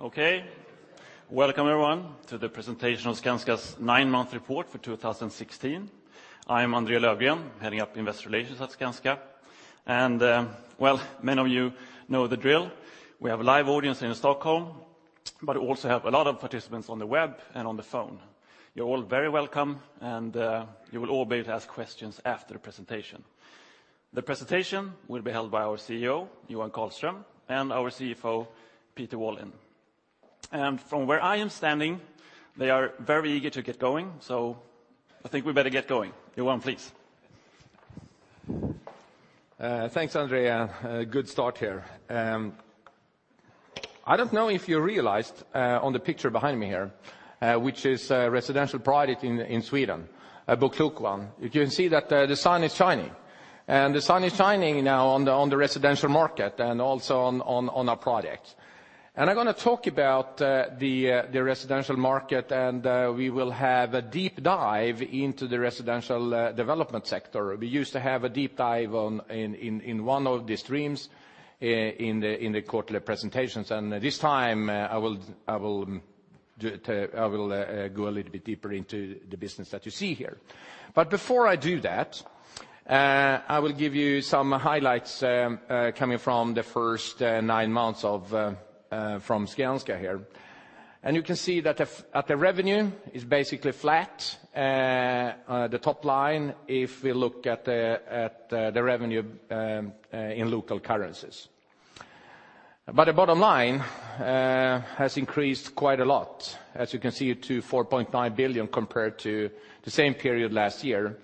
Okay, welcome everyone to the presentation of Skanska's Nine-Month Report for 2016. I am André Löfgren, heading up Investor Relations at Skanska. And, well, many of you know the drill. We have a live audience in Stockholm, but we also have a lot of participants on the web and on the phone. You're all very welcome, and you will all be able to ask questions after the presentation. The presentation will be held by our CEO, Johan Karlström, and our CFO, Peter Wallin. And from where I am standing, they are very eager to get going, so I think we better get going. Johan, please. Thanks, André, and good start here. I don't know if you realized, on the picture behind me here, which is a residential project in Sweden, a BoKlok one. You can see that the sun is shining, and the sun is shining now on the residential market and also on our projects. I'm gonna talk about the residential market, and we will have a deep dive into the Residential Development sector. We used to have a deep dive on one of the streams in the quarterly presentations, and this time I will do it. I will go a little bit deeper into the business that you see here. But before I do that, I will give you some highlights coming from the first nine months from Skanska here. And you can see that the revenue is basically flat on the top line, if we look at the revenue in local currencies. But the bottom line has increased quite a lot, as you can see, to 4.9 billion compared to the same period last year.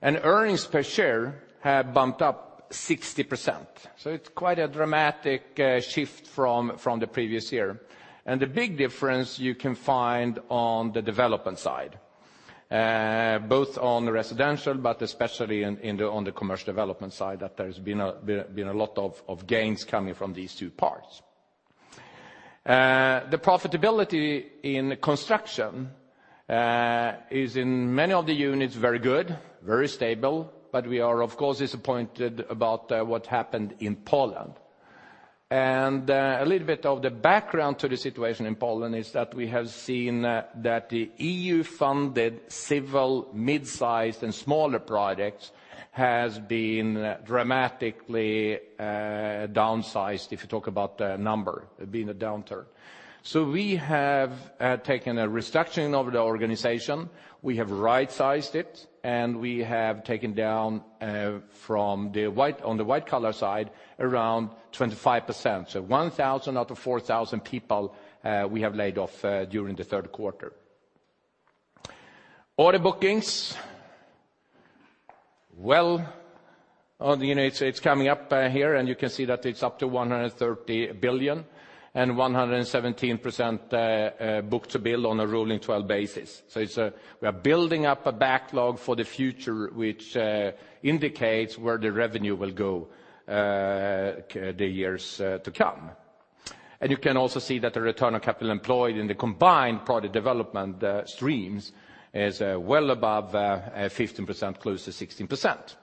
And earnings per share have bumped up 60%, so it's quite a dramatic shift from the previous year. And the big difference you can find on the development side, both on the residential, but especially on the Commercial Development side, that there's been a lot of gains coming from these two parts. The profitability in construction is in many of the units very good, very stable, but we are, of course, disappointed about what happened in Poland. A little bit of the background to the situation in Poland is that we have seen that the EU-funded civil, mid-sized, and smaller projects has been dramatically downsized, if you talk about the number, been a downturn. So we have taken a restructuring of the organization. We have right-sized it, and we have taken down from the white-collar side around 25%. So 1,000 out of 4,000 people we have laid off during the third quarter. Order bookings, well, on the units, it's coming up here, and you can see that it's up to 130 billion, and 117%, book-to-bill on a rolling 12 basis. So we are building up a backlog for the future, which indicates where the revenue will go the years to come. And you can also see that the return on capital employed in the combined property development streams is well above 15%, close to 16%.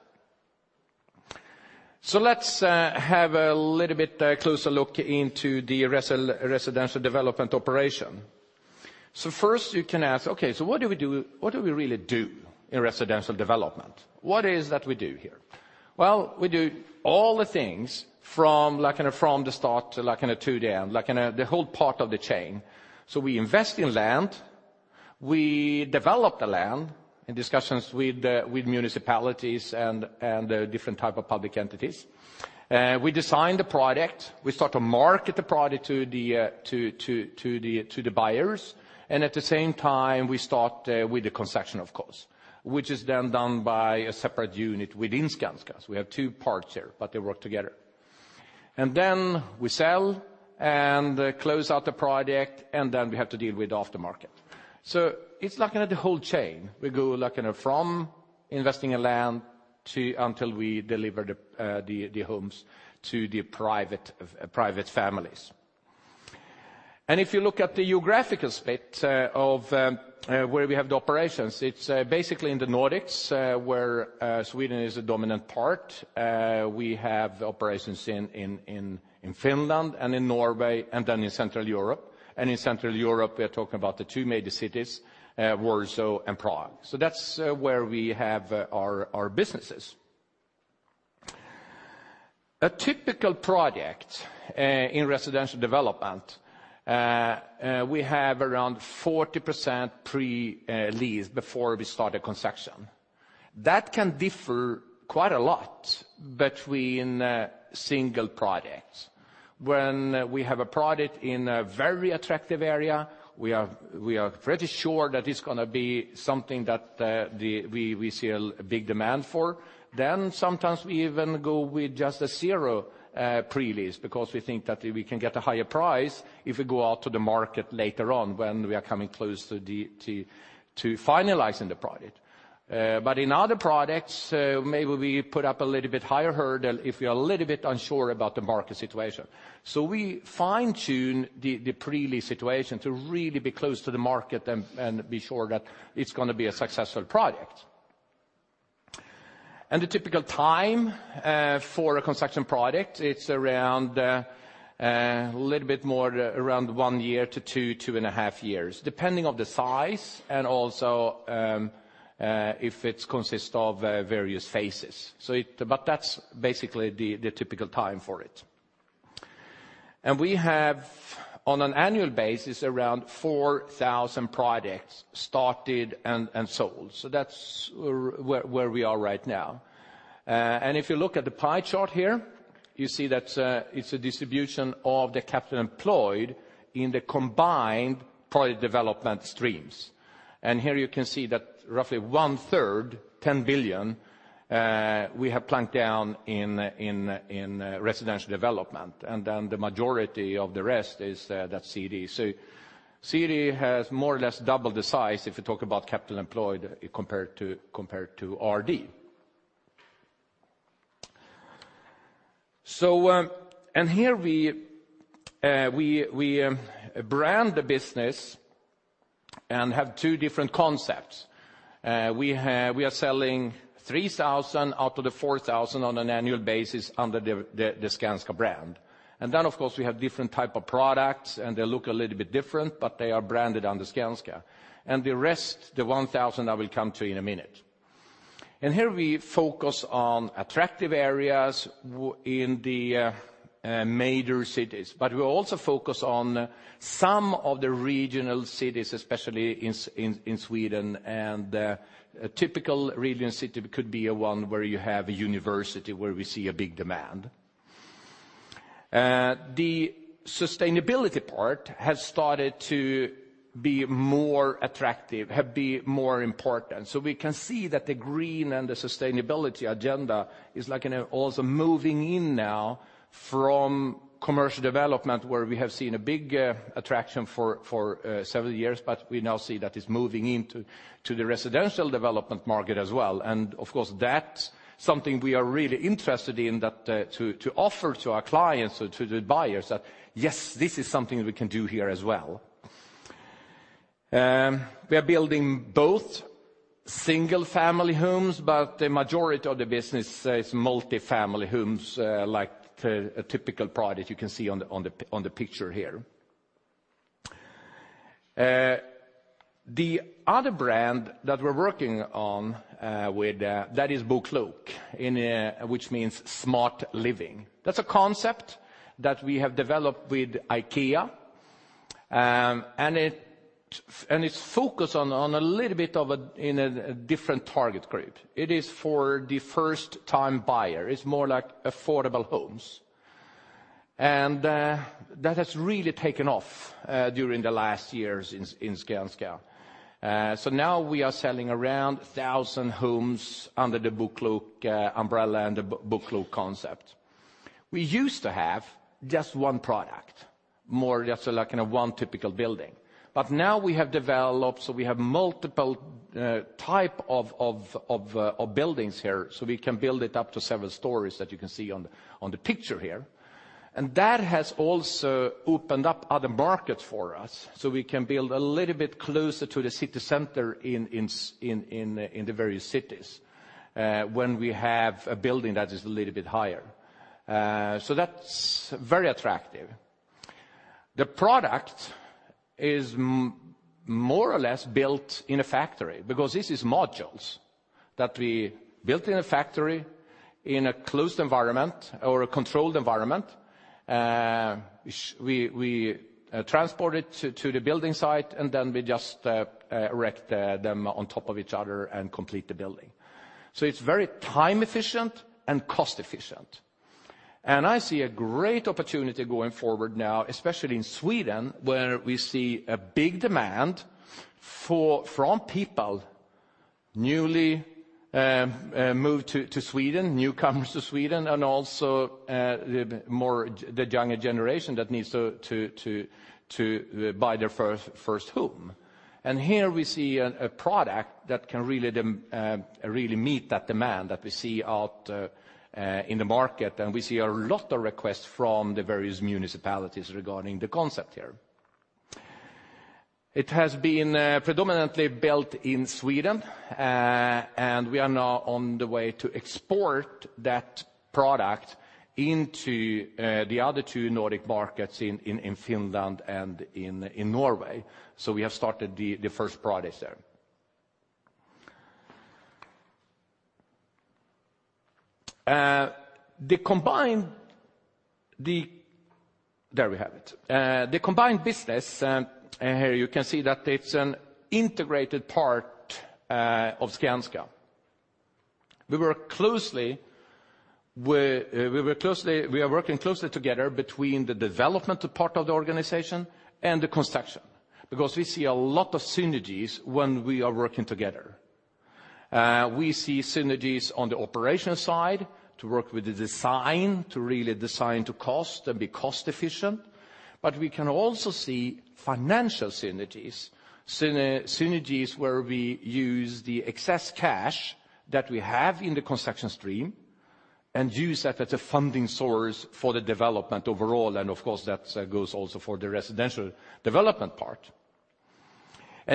So let's have a little bit closer look into the Residential Development operation. So first you can ask, "Okay, so what do we do? What do we really do in Residential Development? What is that we do here?" Well, we do all the things from, like, from the start, like, A to Z, the whole chain. So we invest in land, we develop the land in discussions with municipalities and different type of public entities. We design the product, we start to market the product to the buyers, and at the same time, we start with the construction, of course, which is then done by a separate unit within Skanska. We have two parts here, but they work together. And then we sell and close out the project, and then we have to deal with aftermarket. So it's like the whole chain. We go, like, you know, from investing in land until we deliver the homes to private families. And if you look at the geographical split of where we have the operations, it's basically in the Nordics, where Sweden is a dominant part. We have operations in Finland and in Norway, and then in Central Europe. And in Central Europe, we are talking about the two major cities, Warsaw and Prague. So that's where we have our businesses. A typical project in Residential Development, we have around 40% pre-lease before we start the construction. That can differ quite a lot between single projects. When we have a project in a very attractive area, we are pretty sure that it's gonna be something that we see a big demand for. Then sometimes we even go with just a 0 pre-lease because we think that we can get a higher price if we go out to the market later on when we are coming close to finalizing the project. But in other projects, maybe we put up a little bit higher hurdle if we are a little bit unsure about the market situation. So we fine-tune the pre-lease situation to really be close to the market and be sure that it's gonna be a successful project. And the typical time for a construction project, it's around a little bit more around one year to two to 2.5 years, depending on the size and also if it consists of various phases. So it but that's basically the typical time for it. And we have, on an annual basis, around 4,000 projects started and sold. So that's where we are right now. And if you look at the pie chart here, you see that it's a distribution of the capital employed in the combined property development streams. And here you can see that roughly one-third, 10 billion, we have plunked down in, in Residential Development, and then the majority of the rest is that CD. So CD has more or less doubled the size, if you talk about capital employed, compared to RD. So, and here we brand the business and have two different concepts. We have—we are selling 3,000 out of the 4,000 on an annual basis under the Skanska brand. And then, of course, we have different type of products, and they look a little bit different, but they are branded under Skanska. And the rest, the 1,000, I will come to in a minute. Here we focus on attractive areas in the major cities, but we also focus on some of the regional cities, especially in Sweden. A typical regional city could be one where you have a university, where we see a big demand. The sustainability part has started to be more attractive, have been more important. So we can see that the green and the sustainability agenda is like also moving in now from Commercial Development, where we have seen a big attraction for several years, but we now see that it's moving into the Residential Development market as well. And of course, that's something we are really interested in, to offer to our clients or to the buyers, that yes, this is something we can do here as well. We are building both single-family homes, but the majority of the business is multifamily homes, like, a typical product you can see on the picture here. The other brand that we're working on, with, that is BoKlok, which means smart living. That's a concept that we have developed with IKEA, and it's focused on a little bit of a different target group. It is for the first-time buyer. It's more like affordable homes. That has really taken off during the last years in Skanska. So now we are selling around 1,000 homes under the BoKlok umbrella and the BoKlok concept. We used to have just one product, more just like in a one typical building. But now we have developed, so we have multiple type of buildings here, so we can build it up to several stories that you can see on the picture here. And that has also opened up other markets for us, so we can build a little bit closer to the city center in the various cities when we have a building that is a little bit higher. So that's very attractive. The product is more or less built in a factory because this is modules that we built in a factory, in a closed environment or a controlled environment. We transport it to the building site, and then we just erect them on top of each other and complete the building. So it's very time-efficient and cost-efficient. I see a great opportunity going forward now, especially in Sweden, where we see a big demand for people newly moved to Sweden, newcomers to Sweden, and also the younger generation that needs to buy their first home. Here we see a product that can really meet that demand that we see in the market. We see a lot of requests from the various municipalities regarding the concept here. It has been predominantly built in Sweden, and we are now on the way to export that product into the other two Nordic markets in Finland and in Norway. So we have started the first products there. There we have it. The combined business, and here you can see that it's an integrated part of Skanska. We work closely, we are working closely together between the development part of the organization and the construction, because we see a lot of synergies when we are working together. We see synergies on the operation side, to work with the design, to really design to cost and be cost-efficient, but we can also see financial synergies, synergies where we use the excess cash that we have in the construction stream and use that as a funding source for the development overall, and of course, that goes also for the Residential Development part.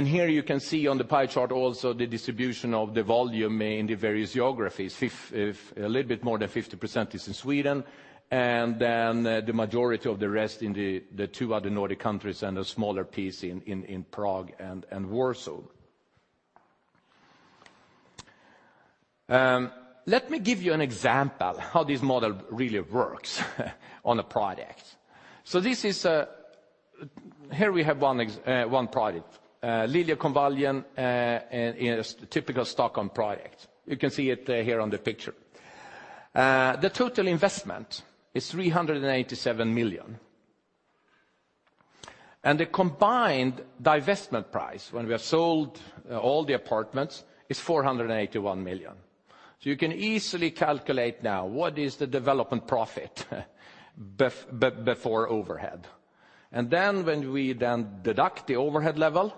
Here you can see on the pie chart also the distribution of the volume in the various geographies. A little bit more than 50% is in Sweden, and then, the majority of the rest in the two other Nordic countries, and a smaller piece in Prague and Warsaw. Let me give you an example how this model really works on a project. So this is here we have one project, Liljekonvaljen, in a typical Stockholm project. You can see it there here on the picture. The total investment is 387 million. And the combined divestment price, when we have sold all the apartments, is 481 million. So you can easily calculate now, what is the development profit before overhead? And then when we then deduct the overhead level,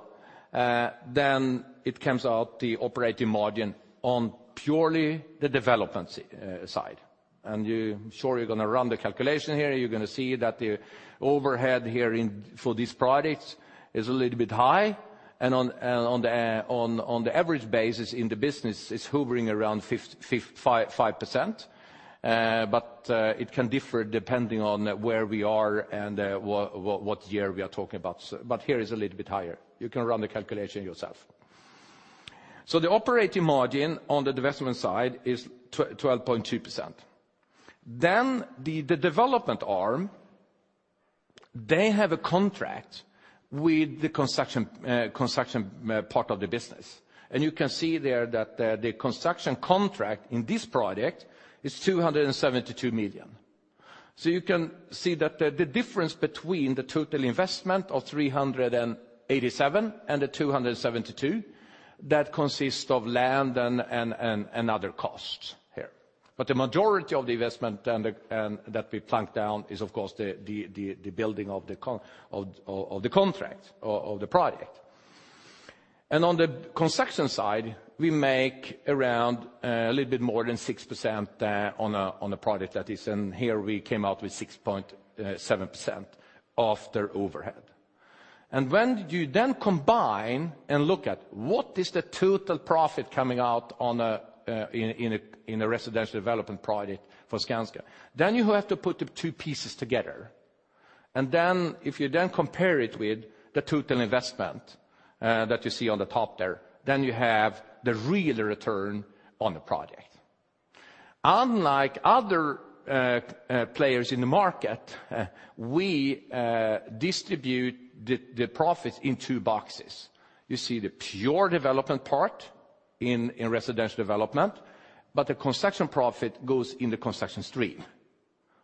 then it comes out the operating margin on purely the development side. I'm sure you're going to run the calculation here. You're going to see that the overhead here in for these projects is a little bit high. And on the average basis in the business, it's hovering around 5%. But it can differ depending on where we are and what year we are talking about. But here is a little bit higher. You can run the calculation yourself. So the operating margin on the divestment side is 12.2%. Then the development arm, they have a contract with the construction part of the business. And you can see there that the construction contract in this project is 272 million. So you can see that the difference between the total investment of 387 and the 272, that consists of land and other costs here. But the majority of the investment that we plunk down is, of course, the building of the contract of the project. And on the construction side, we make around a little bit more than 6% on a project that is, and here we came out with 6.7% after overhead. And when you then combine and look at what is the total profit coming out in a Residential Development project for Skanska, then you have to put the two pieces together. And then, if you then compare it with the total investment that you see on the top there, then you have the real return on the project. Unlike other players in the market, we distribute the profits in two boxes. You see the pure development part in Residential Development, but the construction profit goes in the construction stream.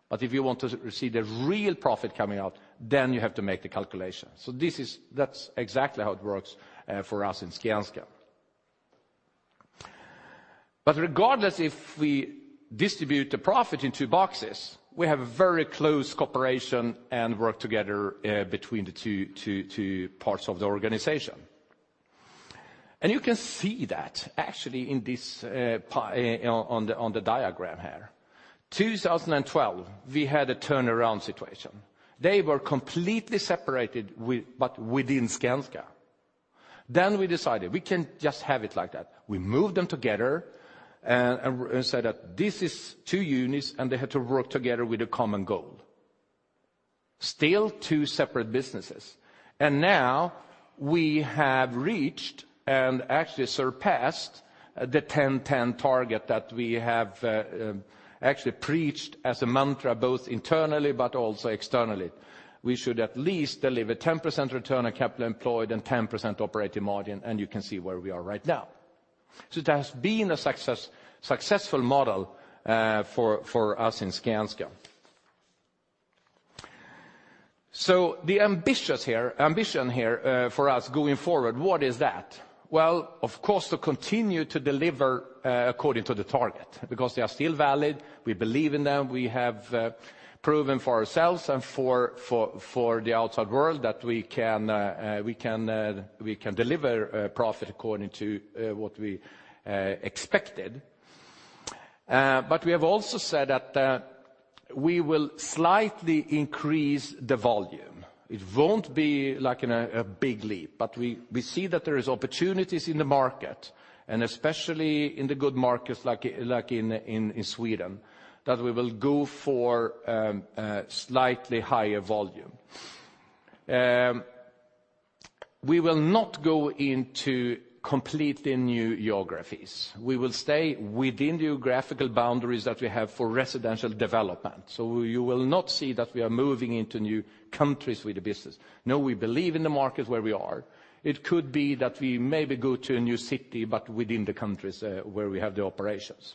But if you want to see the real profit coming out, then you have to make the calculation. So this is, that's exactly how it works for us in Skanska. But regardless if we distribute the profit in two boxes, we have a very close cooperation and work together between the two parts of the organization. And you can see that actually in this on the diagram here. 2012, we had a turnaround situation. They were completely separated with, but within Skanska. Then we decided we can't just have it like that. We moved them together and, and said that this is two units, and they had to work together with a common goal. Still two separate businesses. And now we have reached and actually surpassed the 10/10 target that we have, actually preached as a mantra, both internally but also externally. We should at least deliver 10% return on capital employed and 10% operating margin, and you can see where we are right now. So it has been a success, successful model, for us in Skanska. So the ambitious here, ambition here, for us going forward, what is that? Well, of course, to continue to deliver, according to the target, because they are still valid. We believe in them. We have proven for ourselves and for the outside world that we can deliver profit according to what we expected. But we have also said that we will slightly increase the volume. It won't be like in a big leap, but we see that there is opportunities in the market, and especially in the good markets like in Sweden, that we will go for a slightly higher volume. We will not go into completely new geographies. We will stay within the geographical boundaries that we have for Residential Development. So you will not see that we are moving into new countries with the business. No, we believe in the market where we are. It could be that we maybe go to a new city, but within the countries where we have the operations.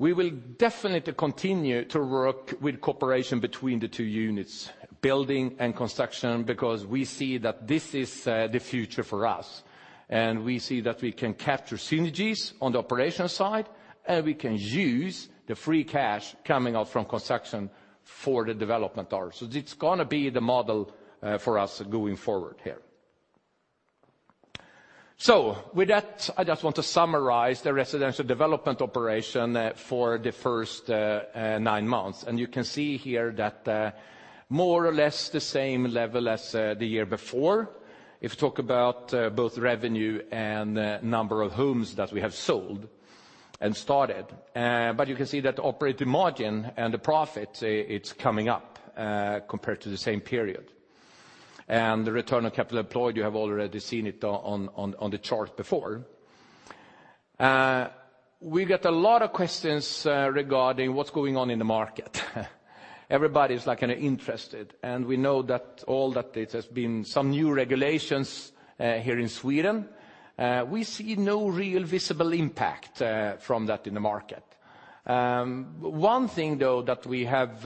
We will definitely continue to work with cooperation between the two units, building and construction, because we see that this is the future for us. And we see that we can capture synergies on the operational side, and we can use the free cash coming out from construction for the development part. So it's going to be the model for us going forward here. So with that, I just want to summarize the Residential Development operation for the first nine months. And you can see here that more or less the same level as the year before. If you talk about both revenue and number of homes that we have sold and started. But you can see that operating margin and the profit, it's coming up, compared to the same period. And the return on capital employed, you have already seen it on the chart before. We get a lot of questions regarding what's going on in the market. Everybody is, like, kind of interested, and we know that all that it has been some new regulations here in Sweden. We see no real visible impact from that in the market. One thing, though, that we have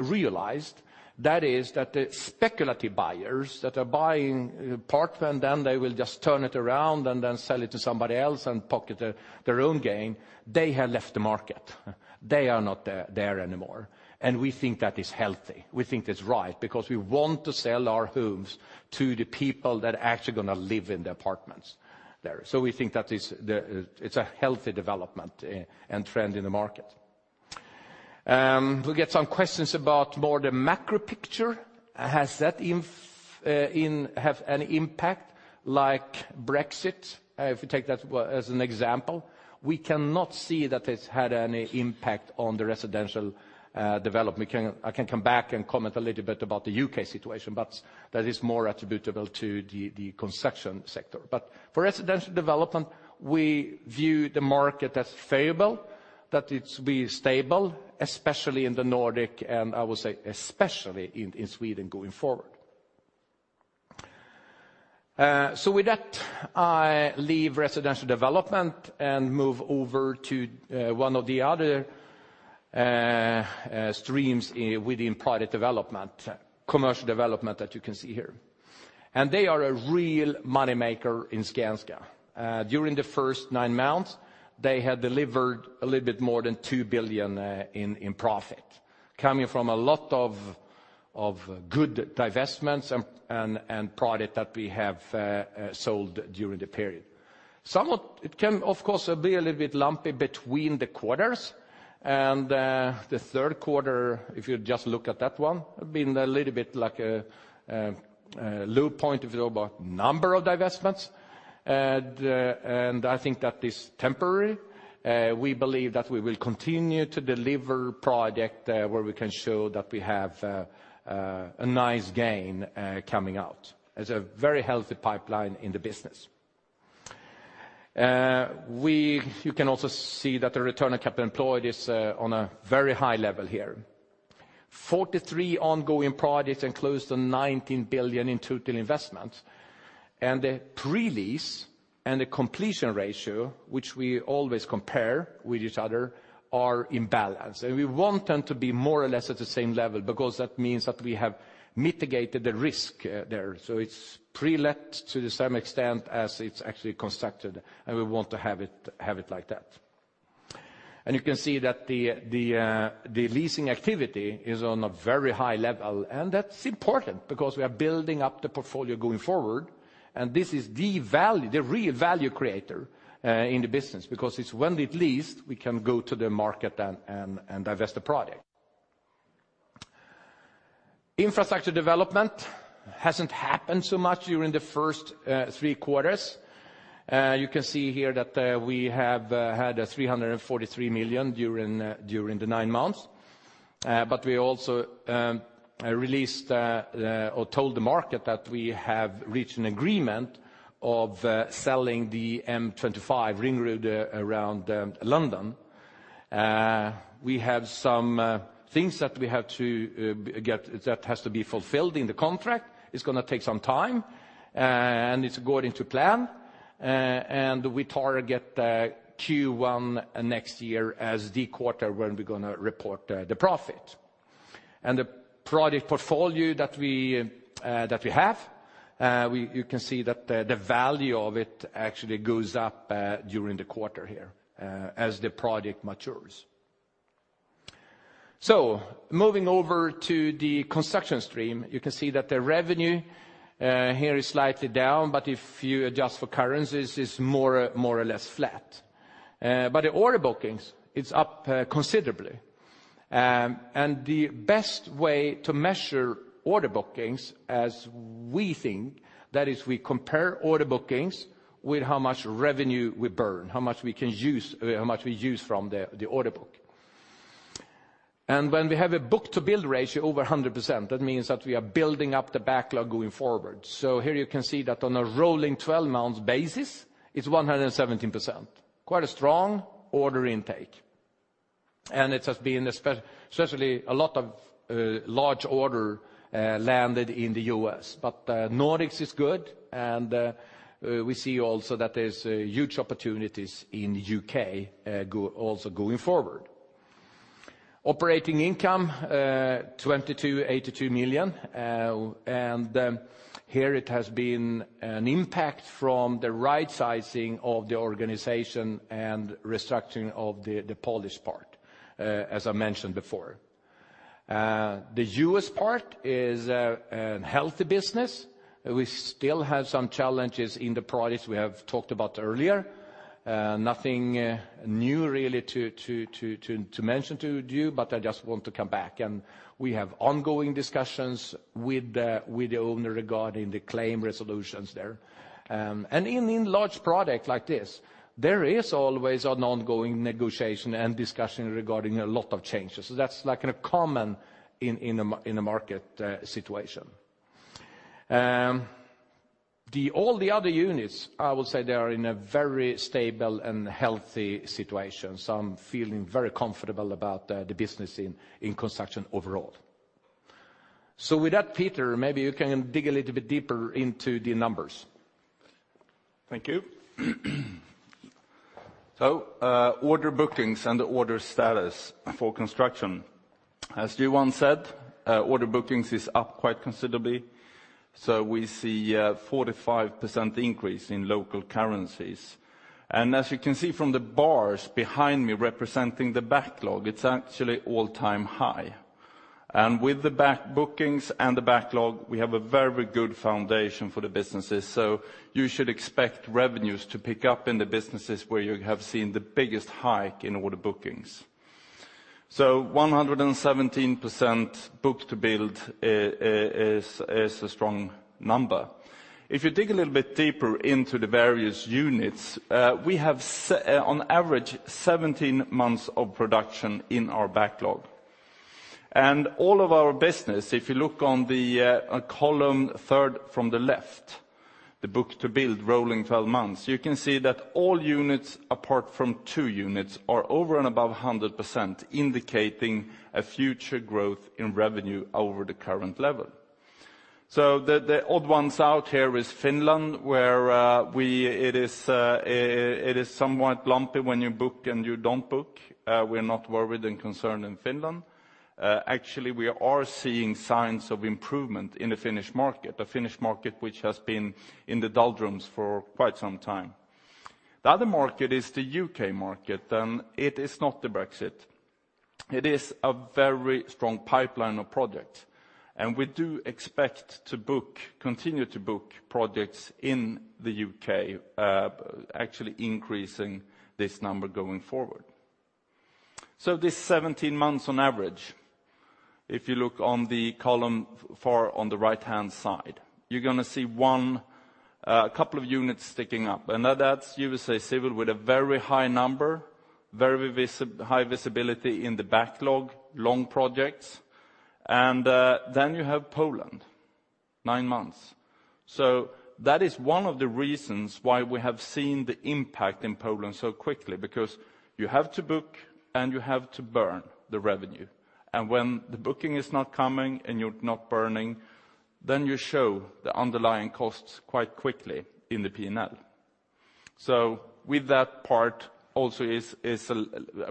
realized, that is that the speculative buyers that are buying apartment, then they will just turn it around and then sell it to somebody else and pocket their own gain, they have left the market. They are not there anymore, and we think that is healthy. We think that's right, because we want to sell our homes to the people that are actually going to live in the apartments there. So we think that is—it's a healthy development and trend in the market. We get some questions about more the macro picture. Has that in—have an impact like Brexit? If you take that as an example, we cannot see that it's had any impact on the Residential Development. I can come back and comment a little bit about the U.K. situation, but that is more attributable to the construction sector. But for Residential Development, we view the market as favorable, that it's been stable, especially in the Nordics, and I will say especially in Sweden going forward. So with that, I leave Residential Development and move over to one of the other streams within Product Development, Commercial Development that you can see here. They are a real money maker in Skanska. During the first nine months, they had delivered a little bit more than 2 billion in profit, coming from a lot of good divestments and product that we have sold during the period. It can, of course, be a little bit lumpy between the quarters, and the third quarter, if you just look at that one, have been a little bit like a low point, if you look at number of divestments. I think that is temporary. We believe that we will continue to deliver product, where we can show that we have, a nice gain, coming out. There's a very healthy pipeline in the business. You can also see that the return on capital employed is, on a very high level here. 43 ongoing projects and close to 19 billion in total investment, and the pre-lease and the completion ratio, which we always compare with each other, are in balance. And we want them to be more or less at the same level, because that means that we have mitigated the risk, there. So it's pre-let to the same extent as it's actually constructed, and we want to have it, have it like that. You can see that the leasing activity is on a very high level, and that's important because we are building up the portfolio going forward, and this is the value, the real value creator in the business, because it's when it leased, we can go to the market and divest the product. Infrastructure Development hasn't happened so much during the first three quarters. You can see here that we have had 343 million during the nine months. But we also released or told the market that we have reached an agreement of selling the M25 ring road around London. We have some things that we have to get that has to be fulfilled in the contract. It's going to take some time, and it's going to plan, and we target Q1 next year as the quarter when we're going to report the profit. And the product portfolio that we, that we have, we- you can see that the, the value of it actually goes up during the quarter here, as the product matures. So moving over to the construction stream, you can see that the revenue here is slightly down, but if you adjust for currencies, it's more, more or less flat. But the order bookings, it's up considerably. And the best way to measure order bookings, as we think, that is we compare order bookings with how much revenue we burn, how much we can use, how much we use from the, the order book. When we have a book-to-bill ratio over 100%, that means that we are building up the backlog going forward. So here you can see that on a rolling 12-month basis, it's 117%. Quite a strong order intake. And it has been especially a lot of large order landed in the U.S. But Nordics is good, and we see also that there's huge opportunities in U.K. also going forward. Operating income 2,282 million, and here it has been an impact from the right sizing of the organization and restructuring of the Polish part, as I mentioned before. The U.S. part is a healthy business. We still have some challenges in the projects we have talked about earlier. Nothing new really to mention to you, but I just want to come back. And we have ongoing discussions with the owner regarding the claim resolutions there. And in large project like this, there is always an ongoing negotiation and discussion regarding a lot of changes. So that's like in a common market situation. All the other units, I will say they are in a very stable and healthy situation. So I'm feeling very comfortable about the business in construction overall. So with that, Peter, maybe you can dig a little bit deeper into the numbers. Thank you. So, order bookings and order status for construction. As Johan said, order bookings is up quite considerably, so we see a 45% increase in local currencies. And as you can see from the bars behind me representing the backlog, it's actually all-time high. And with the order bookings and the backlog, we have a very good foundation for the businesses, so you should expect revenues to pick up in the businesses where you have seen the biggest hike in order bookings. So 117% book-to-bill, is, is a strong number. If you dig a little bit deeper into the various units, we have on average, 17 months of production in our backlog. And all of our business, if you look on the column third from the left, the book-to-bill rolling 12 months, you can see that all units, apart from two units, are over and above 100%, indicating a future growth in revenue over the current level. So the odd ones out here is Finland, where it is somewhat lumpy when you book and you don't book. We're not worried and concerned in Finland. Actually, we are seeing signs of improvement in the Finnish market, the Finnish market, which has been in the doldrums for quite some time. The other market is the U.K. market, and it is not the Brexit. It is a very strong pipeline of projects, and we do expect to book, continue to book projects in the U.K., actually increasing this number going forward. So this 17 months on average, if you look on the column four on the right-hand side, you're gonna see one couple of units sticking up. And that's USA Civil with a very high number, very high visibility in the backlog, long projects. And then you have Poland, nine months. So that is one of the reasons why we have seen the impact in Poland so quickly, because you have to book and you have to burn the revenue. And when the booking is not coming and you're not burning, then you show the underlying costs quite quickly in the P&L. So with that part also is a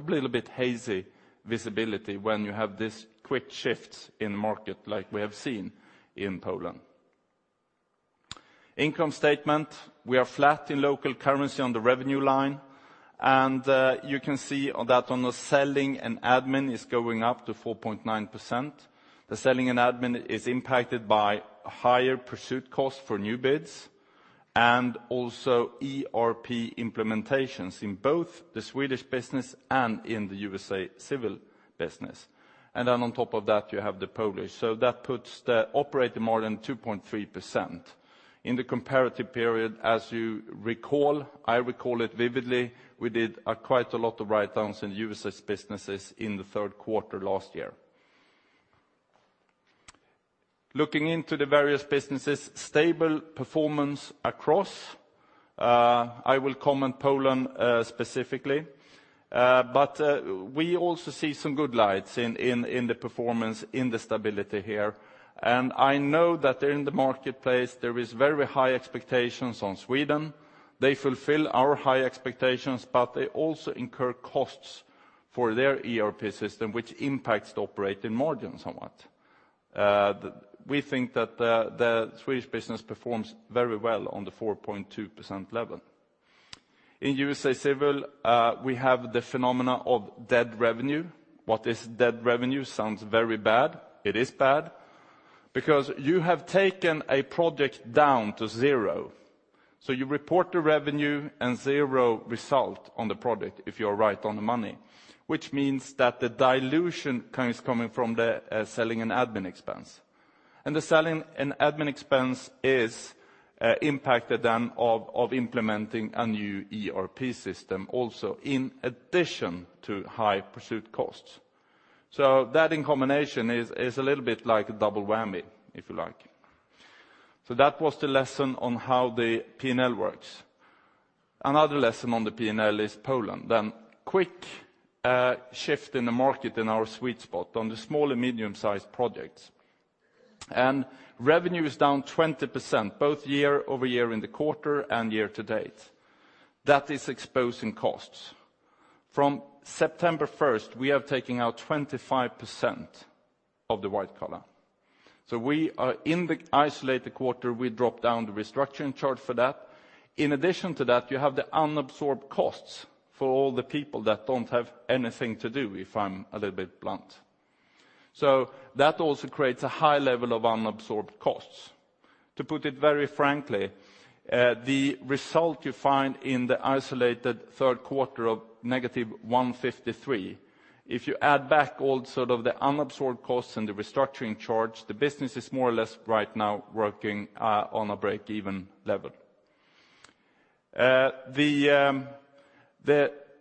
little bit hazy visibility when you have this quick shifts in market like we have seen in Poland. Income statement, we are flat in local currency on the revenue line, and you can see that on the selling and admin is going up to 4.9%. The selling and admin is impacted by higher pursuit costs for new bids, and also ERP implementations in both the Swedish business and in the USA Civil business. And then on top of that, you have the Polish. So that puts the operating margin 2.3%. In the comparative period, as you recall, I recall it vividly, we did quite a lot of write-downs in the U.S. businesses in the third quarter last year. Looking into the various businesses, stable performance across, I will comment Poland specifically, but we also see some good lights in the performance, in the stability here. And I know that in the marketplace, there is very high expectations on Sweden. They fulfill our high expectations, but they also incur costs for their ERP system, which impacts the operating margin somewhat. We think that the Swedish business performs very well on the 4.2% level. In USA Civil, we have the phenomena of dead revenue. What is dead revenue? Sounds very bad. It is bad. Because you have taken a project down to zero, so you report the revenue and zero result on the project if you are right on the money, which means that the dilution comes from the selling and admin expense. The selling and admin expense is impacted then of implementing a new ERP system also in addition to high pursuit costs. So that in combination is a little bit like a double whammy, if you like. So that was the lesson on how the P&L works. Another lesson on the P&L is Poland. Then quick shift in the market in our sweet spot on the small and medium-sized projects. And revenue is down 20%, both year-over-year in the quarter and year-to-date. That is exposing costs. From September 1st, we have taken out 25% of the white collar. So we are in the isolated quarter, we dropped down the restructuring charge for that. In addition to that, you have the unabsorbed costs for all the people that don't have anything to do, if I'm a little bit blunt. So that also creates a high level of unabsorbed costs. To put it very frankly, the result you find in the isolated third quarter of -153 million, if you add back all sort of the unabsorbed costs and the restructuring charge, the business is more or less right now working on a break-even level. The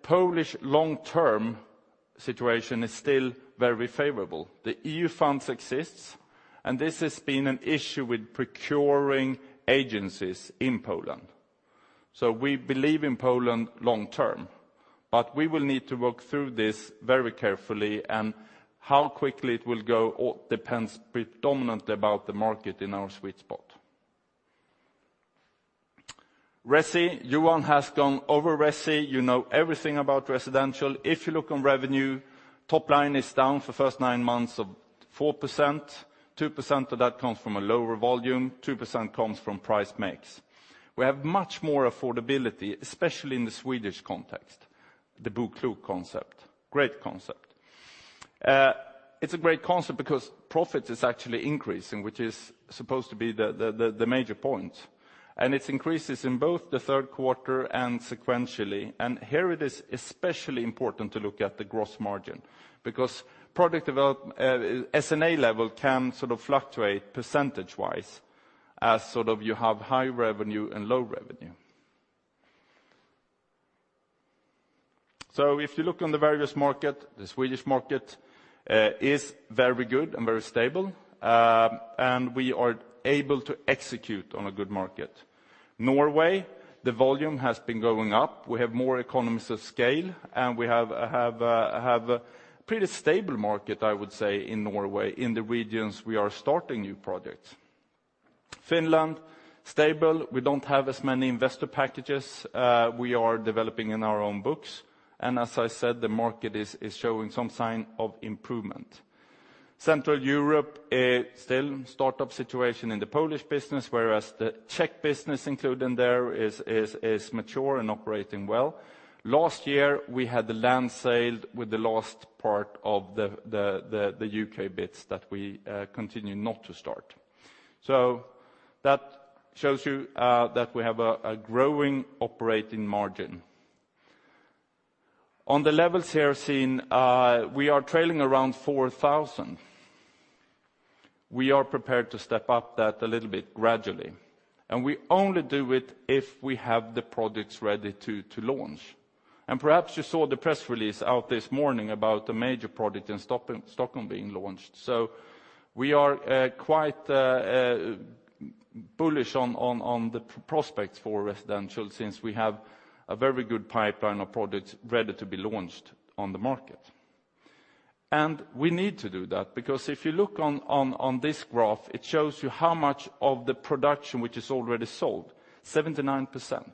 Polish long-term situation is still very favorable. The E.U. funds exists, and this has been an issue with procuring agencies in Poland. So we believe in Poland long term, but we will need to work through this very carefully, and how quickly it will go, all depends predominantly about the market in our sweet spot. Resi, Johan has gone over Resi. You know everything about residential. If you look on revenue, top line is down for first nine months of 4%. 2% of that comes from a lower volume, 2% comes from price makes. We have much more affordability, especially in the Swedish context, the BoKlok concept, great concept. It's a great concept because profit is actually increasing, which is supposed to be the major point, and it increases in both the third quarter and sequentially. Here it is especially important to look at the gross margin, because Product Development S&A level can sort of fluctuate percentage-wise as sort of you have high revenue and low revenue. So if you look on the various market, the Swedish market, is very good and very stable, and we are able to execute on a good market. Norway, the volume has been going up. We have more economies of scale, and we have a pretty stable market, I would say, in Norway, in the regions we are starting new projects. Finland, stable. We don't have as many investor packages. We are developing in our own books, and as I said, the market is showing some sign of improvement. Central Europe, still start-up situation in the Polish business, whereas the Czech business, including there, is mature and operating well. Last year, we had the land sale with the last part of the U.K. bits that we continued not to start. So that shows you that we have a growing operating margin. On the levels here seen, we are trailing around 4,000. We are prepared to step up that a little bit gradually, and we only do it if we have the products ready to launch. Perhaps you saw the press release out this morning about a major product in Stockholm being launched. So we are quite bullish on the prospects for residential since we have a very good pipeline of products ready to be launched on the market. And we need to do that, because if you look on this graph, it shows you how much of the production which is already sold, 79%.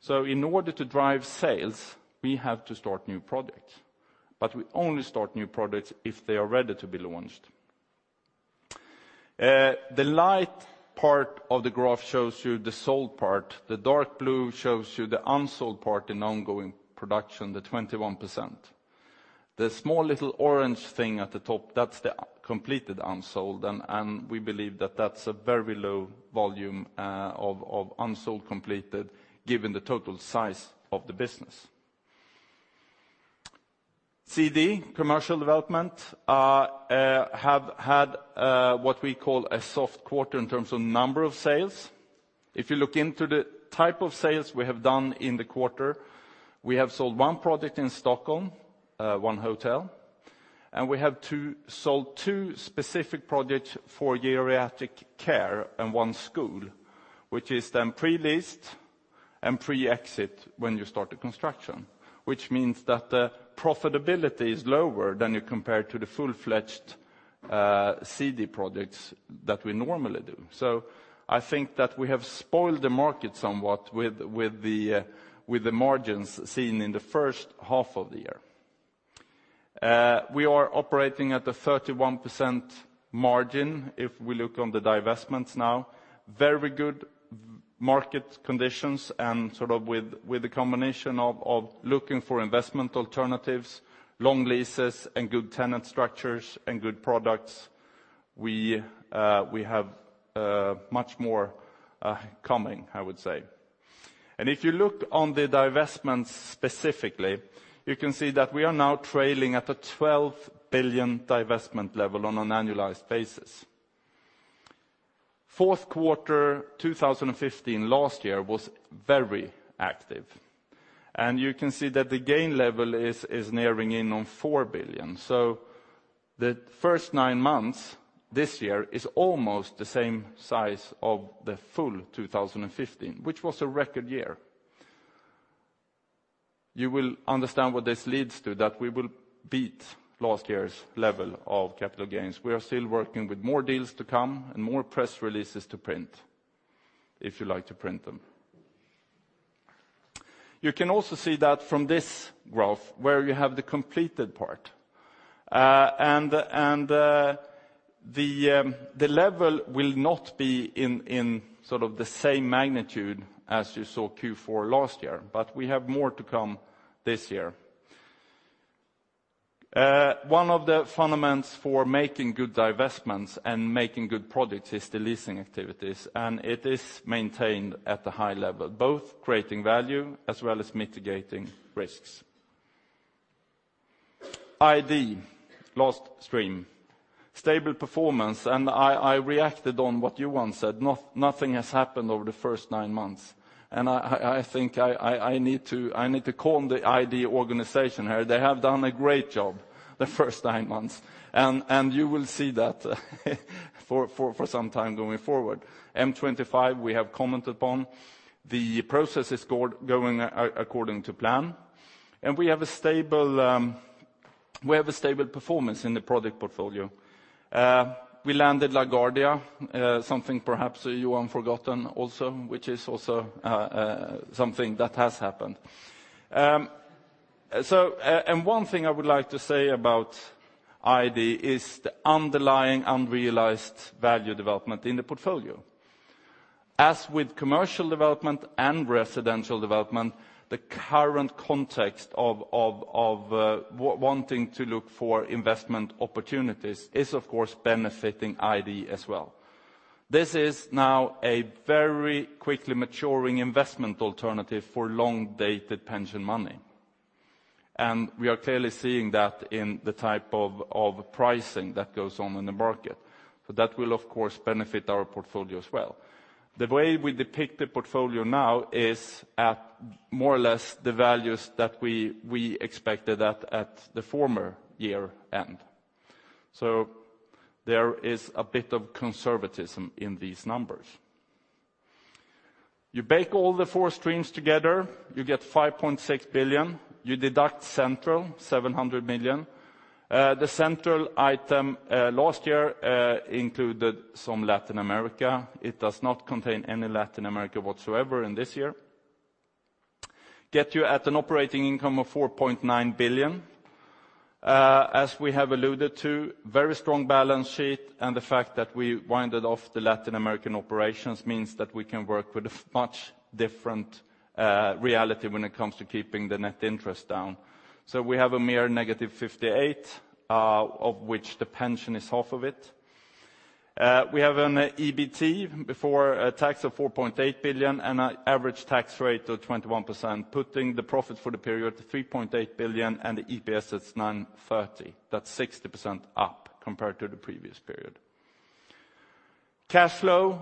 So in order to drive sales, we have to start new products, but we only start new products if they are ready to be launched. The light part of the graph shows you the sold part. The dark blue shows you the unsold part in ongoing production, the 21%. The small little orange thing at the top, that's the completed unsold, and we believe that that's a very low volume of unsold completed given the total size of the business. CD, Commercial Development, have had what we call a soft quarter in terms of number of sales. If you look into the type of sales we have done in the quarter, we have sold one product in Stockholm, one hotel, and we have sold two specific projects for geriatric care and one school, which is then pre-leased and pre-let when you start the construction, which means that the profitability is lower than you compare to the full-fledged CD projects that we normally do. So I think that we have spoiled the market somewhat with the margins seen in the first half of the year. We are operating at a 31% margin if we look on the divestments now. Very good market conditions and sort of with, with a combination of, of looking for investment alternatives, long leases, and good tenant structures, and good products, we, we have, much more, coming, I would say. And if you look on the divestments specifically, you can see that we are now trailing at a 12 billion divestment level on an annualized basis. Fourth quarter, 2015 last year was very active, and you can see that the gain level is nearing in on 4 billion. So the first nine months this year is almost the same size of the full 2015, which was a record year. You will understand what this leads to, that we will beat last year's level of capital gains. We are still working with more deals to come and more press releases to print, if you like to print them. You can also see that from this graph, where you have the completed part. The level will not be in sort of the same magnitude as you saw Q4 last year, but we have more to come this year. One of the fundamentals for making good divestments and making good products is the leasing activities, and it is maintained at a high level, both creating value as well as mitigating risks. ID, last stream. Stable performance, and I reacted on what you once said, "Nothing has happened over the first nine months." I think I need to calm the ID organization here. They have done a great job the first nine months, and you will see that for some time going forward. M25, we have commented upon. The process is going according to plan, and we have a stable performance in the product portfolio. We landed LaGuardia, something perhaps you have forgotten also, which is also something that has happened. So, and one thing I would like to say about ID is the underlying unrealized value development in the portfolio. As with Commercial Development and Residential Development, the current context of wanting to look for investment opportunities is, of course, benefiting ID as well. This is now a very quickly maturing investment alternative for long-dated pension money, and we are clearly seeing that in the type of pricing that goes on in the market. So that will, of course, benefit our portfolio as well. The way we depict the portfolio now is at more or less the values that we expected at the former year end. So there is a bit of conservatism in these numbers. You bake all the four streams together, you get 5.6 billion. You deduct Central, 700 million. The Central item last year included some Latin America. It does not contain any Latin America whatsoever in this year. Get you at an operating income of 4.9 billion. As we have alluded to, very strong balance sheet, and the fact that we wound off the Latin American operations means that we can work with a much different reality when it comes to keeping the net interest down. So we have a mere negative 58, of which the pension is half of it. We have an EBT before tax of 4.8 billion and an average tax rate of 21%, putting the profit for the period to 3.8 billion, and the EPS is 9.30. That's 60% up compared to the previous period. Cash flow,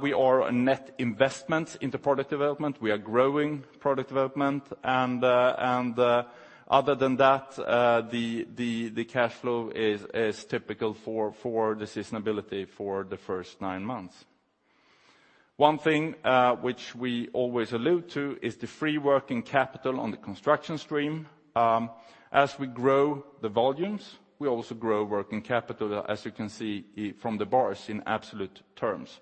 we are a net investment in the Product Development. We are growing Product Development, and other than that, the cash flow is typical for the seasonality for the first nine months. One thing which we always allude to is the free working capital on the construction stream. As we grow the volumes, we also grow working capital, as you can see from the bars, in absolute terms.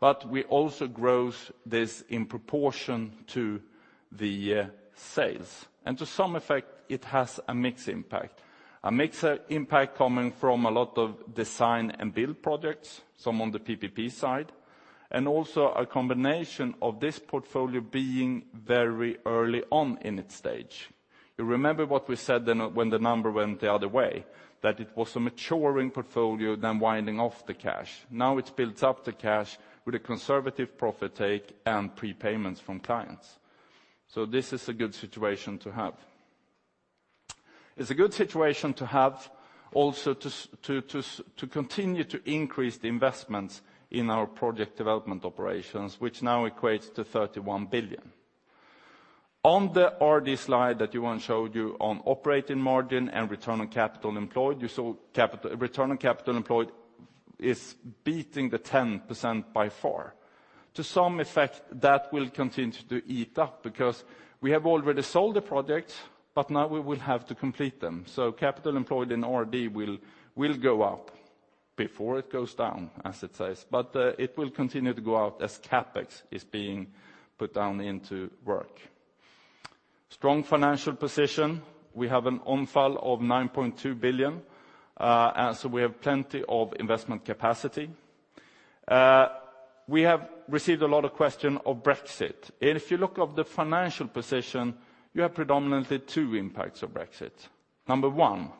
But we also grow this in proportion to the sales. And to some effect, it has a mixed impact. A mixed impact coming from a lot of design and build projects, some on the PPP side, and also a combination of this portfolio being very early on in its stage. You remember what we said then when the number went the other way, that it was a maturing portfolio, then winding off the cash. Now, it builds up the cash with a conservative profit take and prepayments from clients. So this is a good situation to have. It's a good situation to have also to continue to increase the investments in our project development operations, which now equates to 31 billion. On the RD slide that Johan showed you on operating margin and return on capital employed, you saw capital return on capital employed is beating the 10% by far. To some effect, that will continue to eat up because we have already sold the projects, but now we will have to complete them. So capital employed in RD will go up before it goes down, as it says, but it will continue to go out as CapEx is being put down into work. Strong financial position. We have a net cash of 9.2 billion, and so we have plenty of investment capacity. We have received a lot of questions on Brexit. If you look up the financial position, you have predominantly two impacts of Brexit. Number one,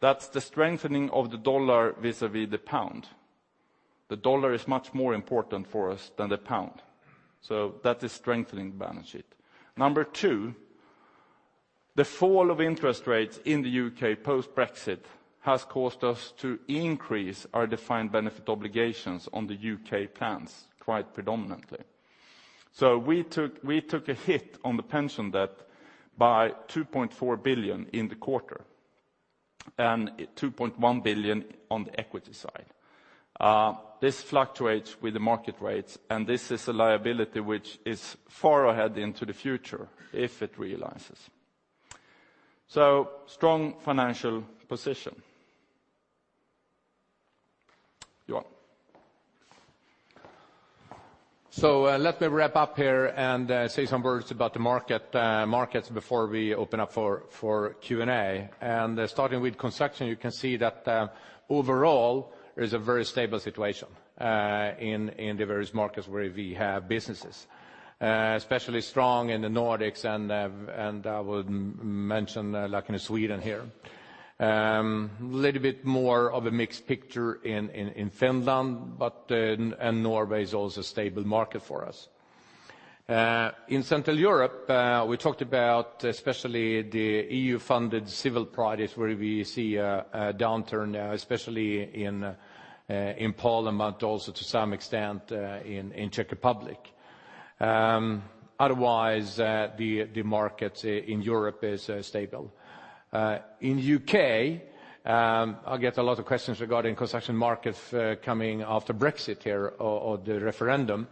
that's the strengthening of the dollar vis-à-vis the pound. The dollar is much more important for us than the pound, so that is strengthening the balance sheet. Number two, the fall of interest rates in the U.K. post-Brexit has caused us to increase our defined benefit obligations on the U.K. plans quite predominantly. So we took a hit on the pension debt by 2.4 billion in the quarter and 2.1 billion on the equity side. This fluctuates with the market rates, and this is a liability which is far ahead into the future if it realizes. So strong financial position. Johan. So, let me wrap up here and say some words about the market, markets before we open up for Q&A. Starting with construction, you can see that overall, there's a very stable situation in the various markets where we have businesses. Especially strong in the Nordics, and I would mention like in Sweden here. Little bit more of a mixed picture in Finland, but Norway is also a stable market for us. In Central Europe, we talked about especially the EU-funded Civil projects, where we see a downturn now, especially in Poland, but also to some extent in Czech Republic. Otherwise, the market in Europe is stable. In U.K., I get a lot of questions regarding construction market coming after Brexit here, or the referendum.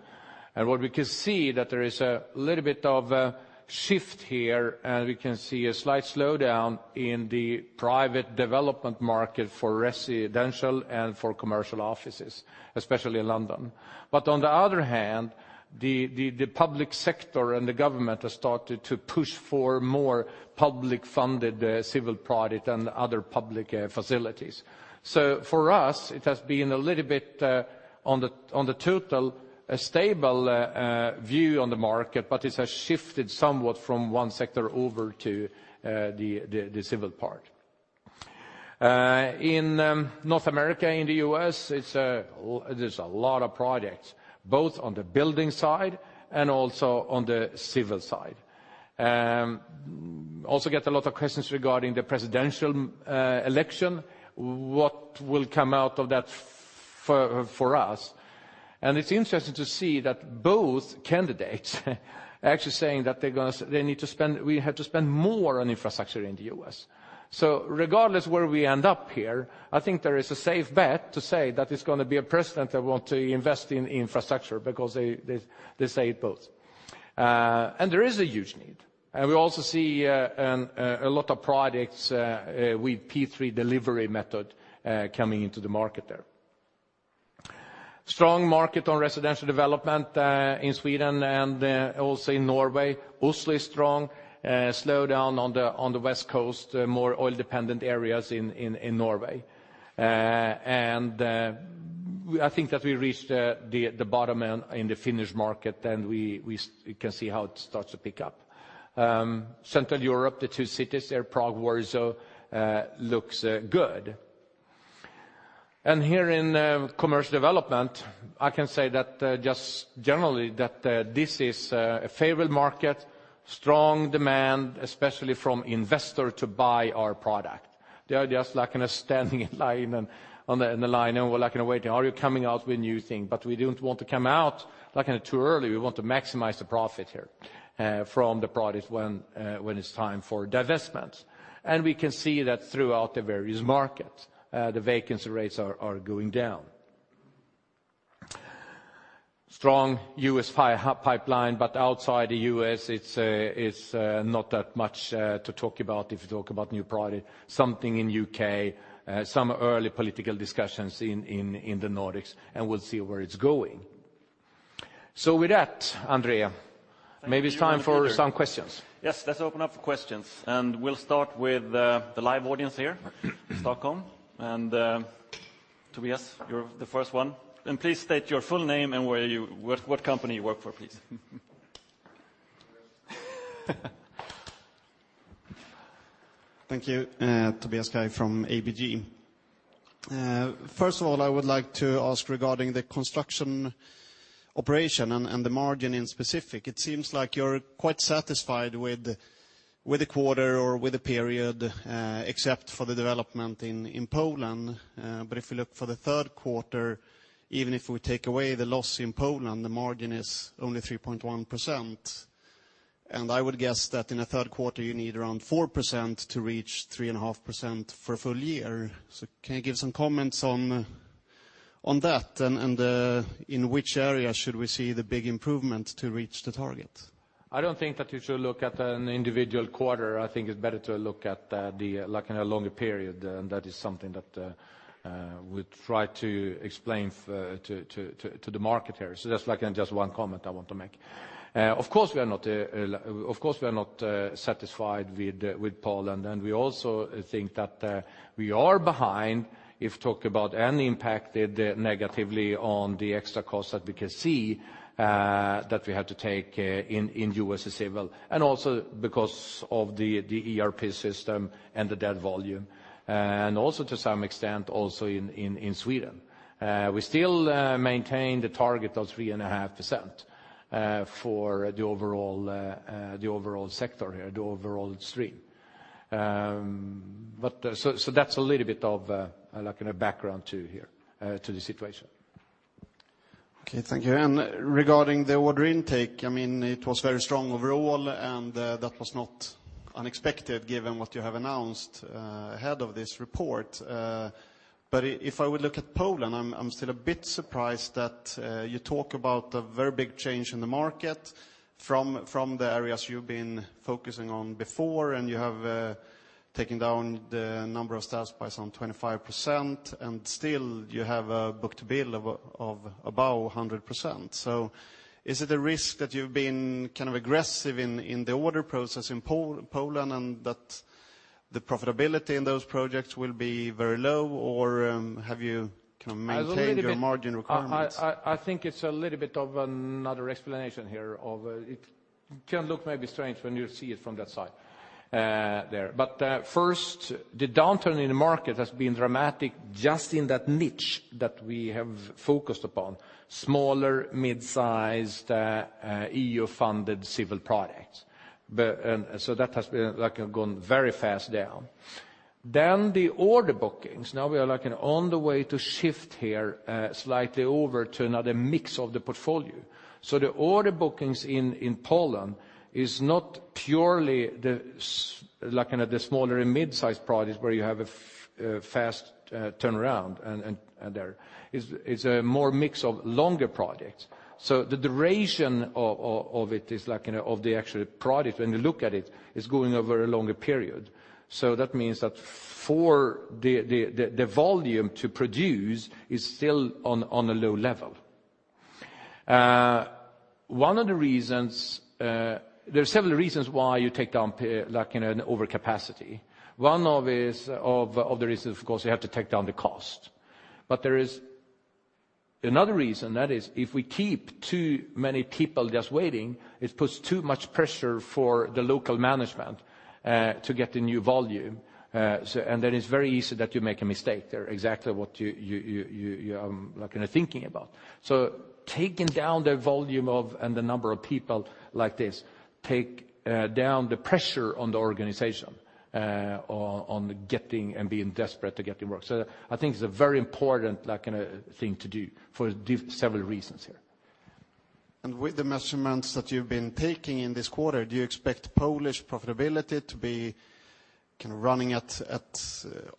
What we can see that there is a little bit of a shift here, and we can see a slight slowdown in the private development market for residential and for commercial offices, especially in London. On the other hand, the public sector and the government has started to push for more public-funded Civil project and other public facilities. For us, it has been a little bit on the total, a stable view on the market, but it has shifted somewhat from one sector over to the Civil part. In North America, in the U.S., it's there's a lot of projects, both on the Building side and also on the Civil side. Also get a lot of questions regarding the presidential election, what will come out of that for, for us? And it's interesting to see that both candidates are actually saying that they're gonna they need to spend, we have to spend more on infrastructure in the U.S., So regardless where we end up here, I think there is a safe bet to say that it's gonna be a president that want to invest in infrastructure because they, they, they say it both. And there is a huge need, and we also see a lot of projects with P3 delivery method coming into the market there. Strong market on Residential Development in Sweden and also in Norway. Oslo is strong, slowed down on the west coast, more oil-dependent areas in Norway. And I think that we reached the bottom end in the Finnish market, and we can see how it starts to pick up. Central Europe, the two cities there, Prague, Warsaw, looks good. And here in Commercial Development, I can say that just generally that this is a favored market, strong demand, especially from investor to buy our product. They are just like standing in line, in the line and we're like waiting, "Are you coming out with new thing?" But we don't want to come out, like, too early. We want to maximize the profit here, from the product when, when it's time for divestment. And we can see that throughout the various markets, the vacancy rates are, are going down. Strong U.S. pipeline, but outside the U.S., it's, it's, not that much, to talk about if you talk about new product. Something in U.K., some early political discussions in, in, in the Nordics, and we'll see where it's going. So with that, André- Thank you, Peter. Maybe it's time for some questions. Yes, let's open up for questions, and we'll start with the live audience here in Stockholm. Tobias, you're the first one. Please state your full name and what company you work for, please. Thank you. Tobias Kaj from ABG. First of all, I would like to ask regarding the construction operation and the margin in specific. It seems like you're quite satisfied with the quarter or with the period, except for the development in Poland. But if you look for the third quarter, even if we take away the loss in Poland, the margin is only 3.1%. And I would guess that in a third quarter, you need around 4% to reach 3.5% for a full year. So can you give some comments on that? And in which area should we see the big improvement to reach the target? I don't think that you should look at an individual quarter. I think it's better to look at the, like, in a longer period, and that is something that we try to explain to the market here. So that's, like, just one comment I want to make. Of course we are not satisfied with Poland, and we also think that we are behind, if talk about and impacted negatively on the extra cost that we can see, that we had to take in U.S. as well, and also because of the ERP system and the dead revenue, and also to some extent, also in Sweden. We still maintain the target of 3.5% for the overall sector here, the overall stream. But so that's a little bit of like in a background too here to the situation. Okay, thank you. And regarding the order intake, I mean, it was very strong overall, and that was not unexpected, given what you have announced ahead of this report. But if I would look at Poland, I'm still a bit surprised that you talk about a very big change in the market from the areas you've been focusing on before, and you have taken down the number of staffs by some 25%, and still you have a book-to-bill of about 100%. So is it a risk that you've been kind of aggressive in the order process in Poland, and that the profitability in those projects will be very low? Or have you kind of maintained- I was a little bit- your margin requirements? I think it's a little bit of another explanation here of, it can look maybe strange when you see it from that side, there. But first, the downturn in the market has been dramatic just in that niche that we have focused upon, smaller, mid-sized, EU-funded Civil projects. But, and, so that has been, like, have gone very fast down. Then the order bookings, now we are, like, on the way to shift here, slightly over to another mix of the portfolio. So the order bookings in Poland is not purely like in the smaller and mid-sized projects, where you have a fast turnaround, and there. It's a more mix of longer projects, so the duration of it is like, you know, of the actual project, when you look at it, is going over a longer period. So that means that for the volume to produce is still on a low level. One of the reasons... There are several reasons why you take down like, you know, an overcapacity. One of the reasons, of course, you have to take down the cost. But there is another reason, that is, if we keep too many people just waiting, it puts too much pressure for the local management to get the new volume. So, and then it's very easy that you make a mistake there, exactly what you like, kind of thinking about. So taking down the volume of, and the number of people like this, down the pressure on the organization, on getting and being desperate to get the work. So I think it's a very important, like, thing to do for several reasons here. With the measurements that you've been taking in this quarter, do you expect Polish profitability to be kind of running at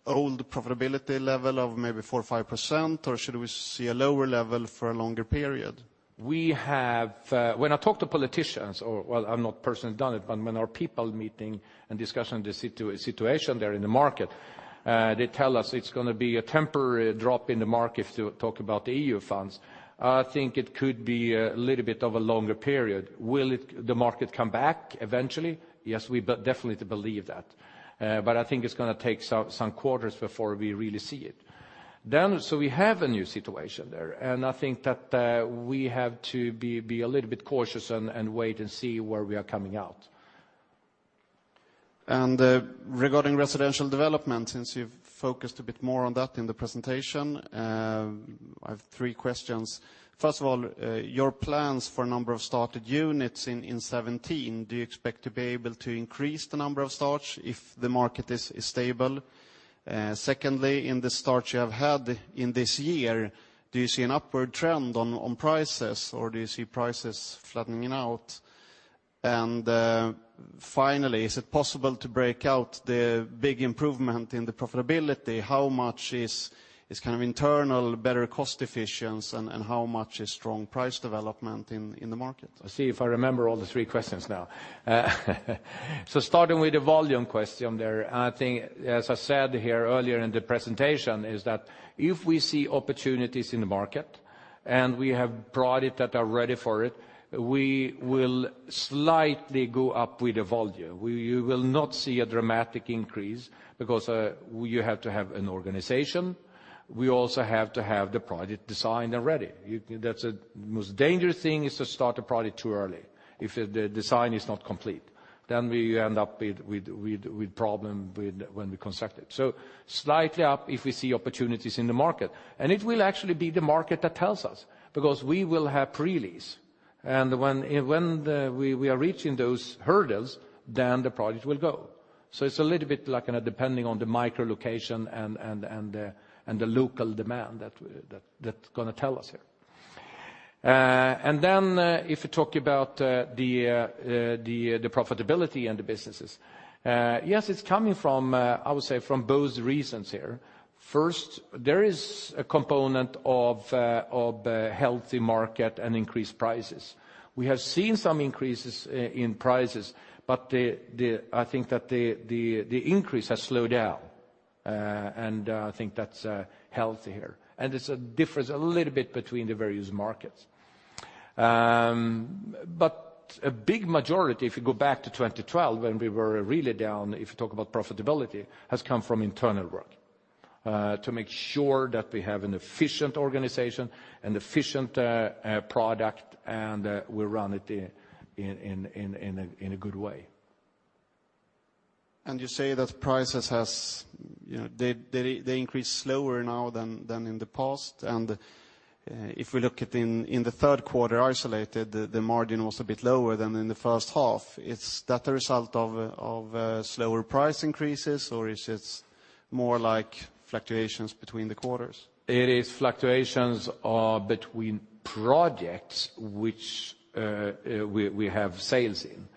old profitability level of maybe 4%-5%? Or should we see a lower level for a longer period? We have. When I talk to politicians, or well, I've not personally done it, but when our people meeting and discussing the situation there in the market, they tell us it's gonna be a temporary drop in the market, to talk about the EU funds. I think it could be a little bit of a longer period. Will the market come back eventually? Yes, we definitely believe that. But I think it's gonna take some quarters before we really see it. So we have a new situation there, and I think that we have to be a little bit cautious and wait and see where we are coming out. Regarding Residential Development, since you've focused a bit more on that in the presentation, I have three questions. First of all, your plans for number of started units in 2017, do you expect to be able to increase the number of starts if the market is stable? Secondly, in the starts you have had in this year, do you see an upward trend on prices, or do you see prices flattening out? Finally, is it possible to break out the big improvement in the profitability? How much is kind of internal, better cost efficiency, and how much is strong price development in the market? I'll see if I remember all the three questions now. So starting with the volume question there, I think, as I said here earlier in the presentation, is that if we see opportunities in the market, and we have projects that are ready for it, we will slightly go up with the volume. We- you will not see a dramatic increase, because you have to have an organization. We also have to have the project designed and ready. You, that's a most dangerous thing is to start a project too early, if the design is not complete, then we end up with problem with when we construct it. So slightly up, if we see opportunities in the market, and it will actually be the market that tells us, because we will have pre-lease. And when we are reaching those hurdles, then the project will go. So it's a little bit, like, depending on the micro location and the local demand that's gonna tell us here. And then, if you talk about the profitability in the businesses, yes, it's coming from, I would say, from both reasons here. First, there is a component of a healthy market and increased prices. We have seen some increases in prices, but I think that the increase has slowed down. And I think that's healthy here. And there's a difference a little bit between the various markets. But a big majority, if you go back to 2012, when we were really down, if you talk about profitability, has come from internal work to make sure that we have an efficient organization and efficient product, and we run it in a good way. And you say that prices has, you know, they increase slower now than in the past. And if we look at in the third quarter isolated, the margin was a bit lower than in the first half. Is that a result of slower price increases, or is it... More like fluctuations between the quarters? It is fluctuations between projects which we have sales in.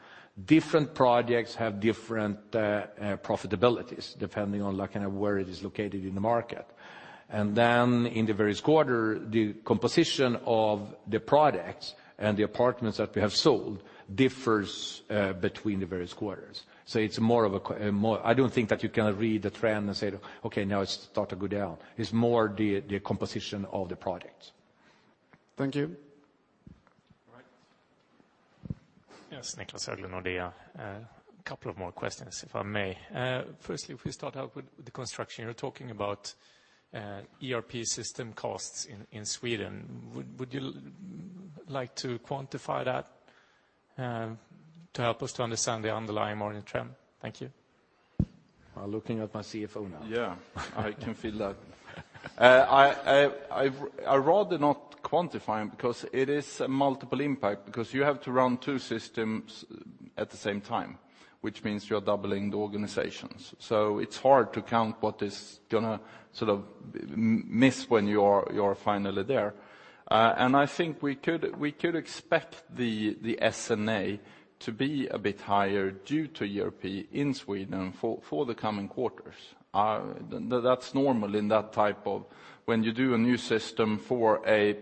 Different projects have different profitabilities, depending on like kind of where it is located in the market. And then in the various quarter, the composition of the products and the apartments that we have sold differs between the various quarters. So it's more of a more. I don't think that you can read the trend and say, "Okay, now it's start to go down." It's more the composition of the products. Thank you. All right. Yes, Niklas Örlin, Nordea. A couple of more questions, if I may. Firstly, if we start out with the construction, you're talking about ERP system costs in Sweden. Would you like to quantify that to help us to understand the underlying margin trend? Thank you. I'm looking at my CFO now. Yeah, I can feel that. I, I'd rather not quantify it because it is a multiple impact, because you have to run two systems at the same time, which means you're doubling the organizations. So it's hard to count what is gonna sort of miss when you are, you are finally there. I think we could, we could expect the S&A to be a bit higher due to ERP in Sweden for the coming quarters. That's normal in that type of... When you do a new system for a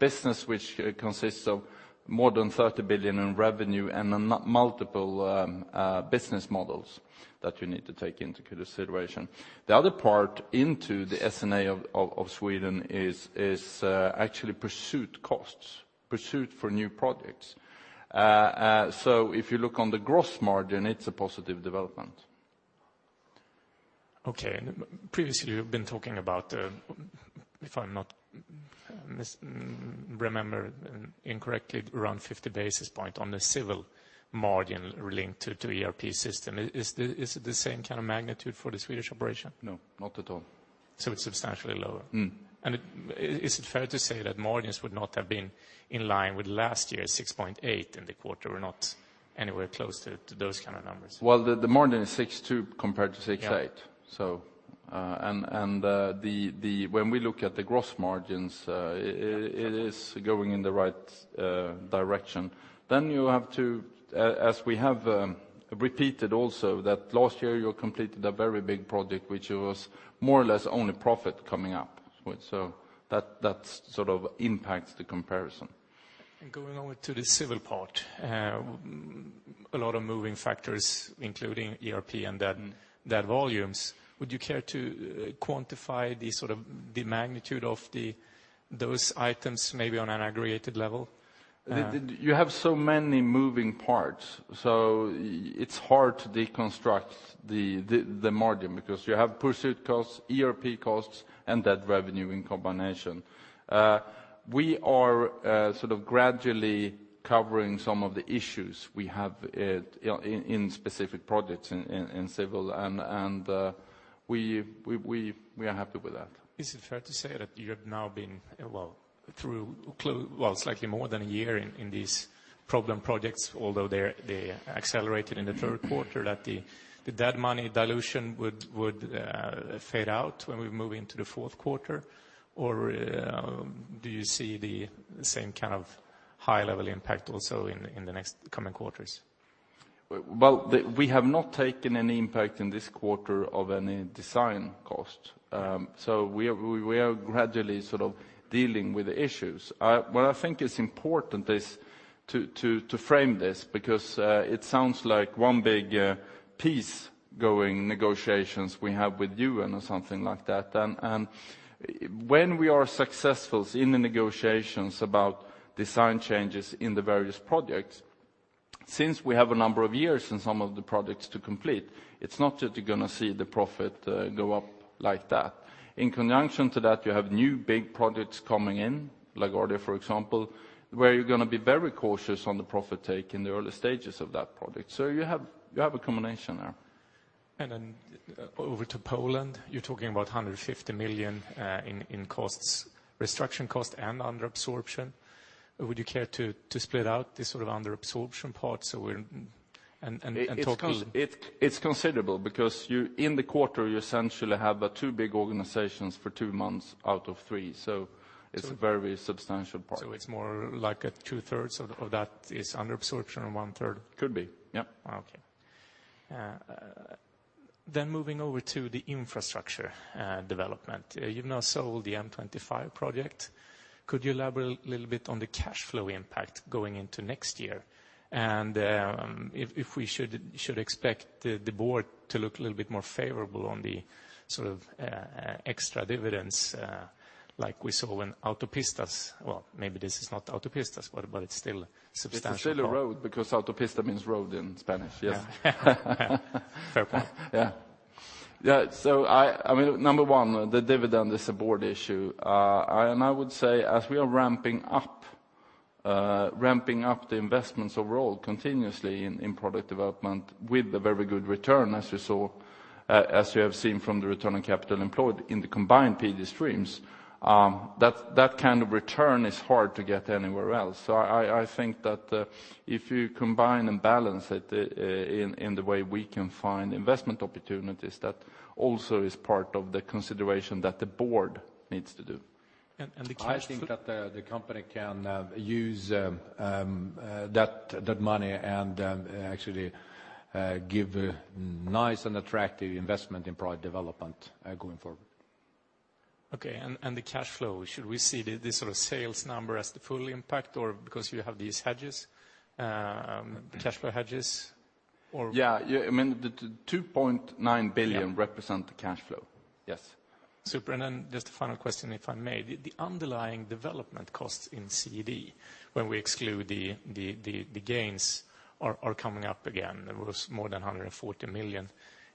business which consists of more than 30 billion in revenue and then multiple business models that you need to take into consideration. The other part into the S&A of Sweden is actually pursuit costs, pursuit for new projects. If you look on the gross margin, it's a positive development. Okay. Previously, you've been talking about, if I'm not misremember incorrectly, around 50 basis points on the Civil margin linked to ERP system. Is it the same kind of magnitude for the Swedish operation? No, not at all. It's substantially lower? Mm. Is it fair to say that margins would not have been in line with last year, 6.8% in the quarter, or not anywhere close to those kind of numbers? Well, the margin is 6.2 compared to 6.8. Yeah. So, when we look at the gross margins, it is going in the right direction. Then you have to, as we have repeated also, that last year, you completed a very big project, which was more or less only profit coming up. So that sort of impacts the comparison. Going on to the Civil part, a lot of moving factors, including ERP and then dead volumes. Would you care to quantify the sort of, the magnitude of the, those items, maybe on an aggregated level? You have so many moving parts, so it's hard to deconstruct the margin, because you have pursuit costs, ERP costs, and dead revenue in combination. We are sort of gradually covering some of the issues we have in specific projects in Civil, and we are happy with that. Is it fair to say that you have now been, well, through slightly more than a year in these problem projects, although they're, they accelerated in the third quarter, that the debt money dilution would fade out when we move into the fourth quarter? Or, do you see the same kind of high-level impact also in the next coming quarters? Well, we have not taken any impact in this quarter of any design cost. So we are gradually sort of dealing with the issues. What I think is important is to frame this, because it sounds like one big piece going negotiations we have with you and something like that. When we are successful in the negotiations about design changes in the various projects, since we have a number of years in some of the projects to complete, it's not that you're going to see the profit go up like that. In conjunction to that, you have new big projects coming in, LaGuardia, for example, where you're going to be very cautious on the profit take in the early stages of that project. So you have a combination there. And then over to Poland, you're talking about 150 million in restructuring costs and under absorption. Would you care to split out the sort of under absorption part so we're... And talk a little- It's considerable, because in the quarter you essentially have the two big organizations for two months out of three, so it's a very substantial part. So it's more like two-thirds of that is under absorption and one-third? Could be, yep. Okay. Then moving over to the Infrastructure Development. You've now sold the M25 project. Could you elaborate a little bit on the cash flow impact going into next year? And, if we should expect the board to look a little bit more favorable on the sort of extra dividends, like we saw when Autopistas... Well, maybe this is not Autopistas, but it's still substantial. It's still a road, because Autopista means road in Spanish, yes. Fair point. Yeah. Yeah, so I mean, number one, the dividend is a board issue. And I would say, as we are ramping up, ramping up the investments overall continuously in Product Development with a very good return, as you saw, as you have seen from the return on capital employed in the combined PD streams, that kind of return is hard to get anywhere else. So I think that, if you combine and balance it, in the way we can find investment opportunities, that also is part of the consideration that the board needs to do. That the company can use that money and actually give nice and attractive investment in Product Development going forward. Okay, and the cash flow, should we see this sort of sales number as the full impact or because you have these hedges, the cash flow hedges or? Yeah, yeah, I mean, the 2.9 billion- Yeah. represent the cash flow. Yes. Super. And then just a final question, if I may. The underlying development costs in CD, when we exclude the gains, are coming up again. There was more than 140 million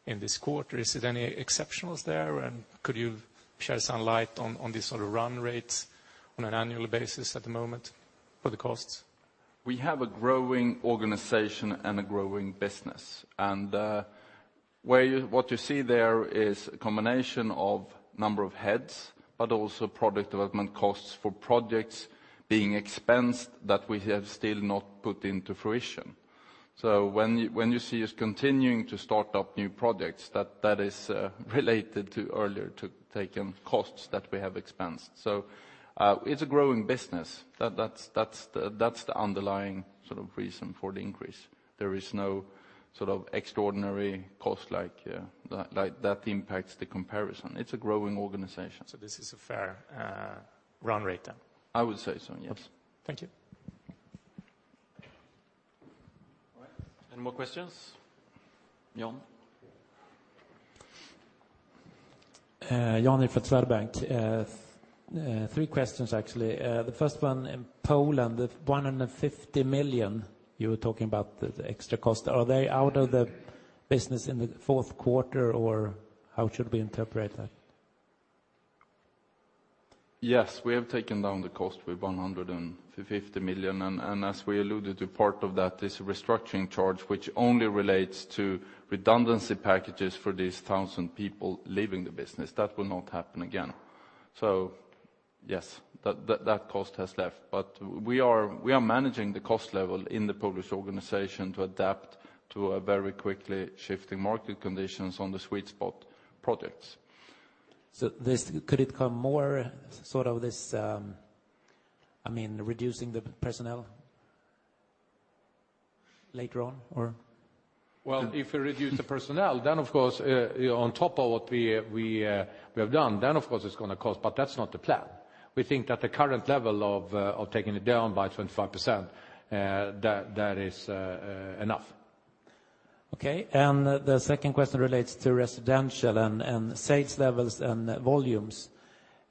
in this quarter. Is it any exceptionals there? And could you shed some light on this sort of run rates on an annual basis at the moment for the costs? We have a growing organization and a growing business. What you see there is a combination of number of heads, but also Product Development costs for projects being expensed that we have still not put into fruition. So when you see us continuing to start up new projects, that is related earlier to taking costs that we have expensed. So it's a growing business. That's the underlying sort of reason for the increase. There is no sort of extraordinary cost like that impacts the comparison. It's a growing organization. So this is a fair run rate then? I would say so, yes. Thank you. All right. Any more questions? Jan? Jan from Swedbank. Three questions, actually. The first one, in Poland, the 150 million you were talking about, the extra cost, are they out of the business in the fourth quarter, or how should we interpret that? Yes, we have taken down the cost with 150 million, and as we alluded to, part of that is a restructuring charge, which only relates to redundancy packages for these 1,000 people leaving the business. That will not happen again. So yes, that cost has left. But we are managing the cost level in the Polish organization to adapt to a very quickly shifting market conditions on the sweet spot projects. So, this could it come more sort of this, I mean, reducing the personnel later on, or? Well, if you reduce the personnel, then of course, on top of what we have done, then of course it's going to cost, but that's not the plan. We think that the current level of taking it down by 25%, that is enough. Okay. And the second question relates to residential and sales levels and volumes.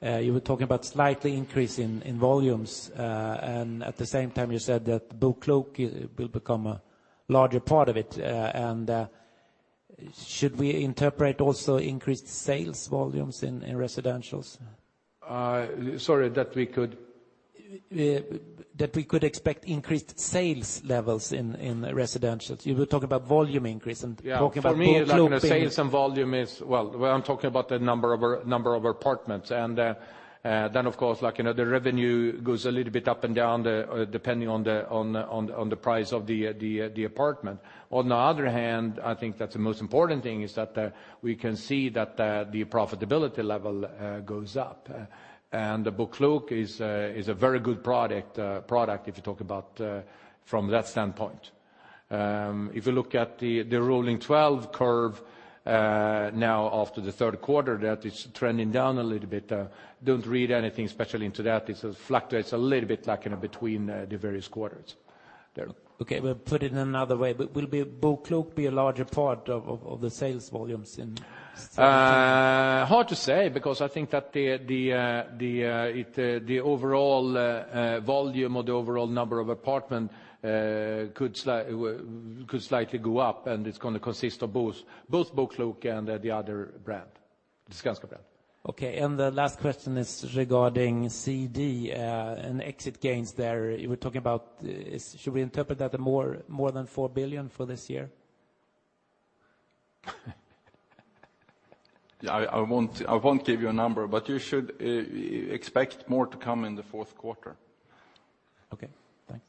You were talking about slightly increase in volumes, and at the same time, you said that BoKlok will become a larger part of it. And should we interpret also increased sales volumes in residentials? Sorry, that we could? that we could expect increased sales levels in, in residentials. You were talking about volume increase and talking about BoKlok- Yeah, for me, like, the sales and volume is... Well, when I'm talking about the number of our apartments, and then, of course, like, you know, the revenue goes a little bit up and down, the depending on the price of the apartment. On the other hand, I think that the most important thing is that we can see that the profitability level goes up. And the BoKlok is a very good product, if you talk about from that standpoint. If you look at the rolling 12 curve now after the third quarter, that is trending down a little bit. Don't read anything especially into that. It fluctuates a little bit, like, you know, between the various quarters there. Okay, we'll put it another way. Will BoKlok be a larger part of the sales volumes in- Hard to say, because I think that the overall volume or the overall number of apartment could slightly go up, and it's going to consist of both BoKlok and the other brand, the Skanska brand. Okay. The last question is regarding CD, and exit gains there. You were talking about, should we interpret that more than 4 billion for this year? I won't give you a number, but you should expect more to come in the fourth quarter. Okay, thanks.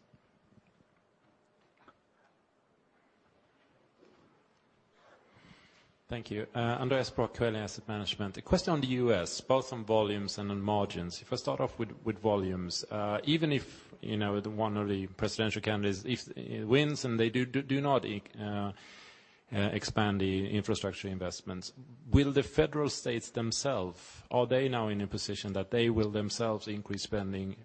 Thank you. Andreas Brock, Coeli Asset Management. A question on the U.S., both on volumes and on margins. If I start off with, with volumes, even if, you know, the one of the presidential candidates, if wins, and they do not expand the infrastructure investments, will the federal states themselves, are they now in a position that they will themselves increase spending,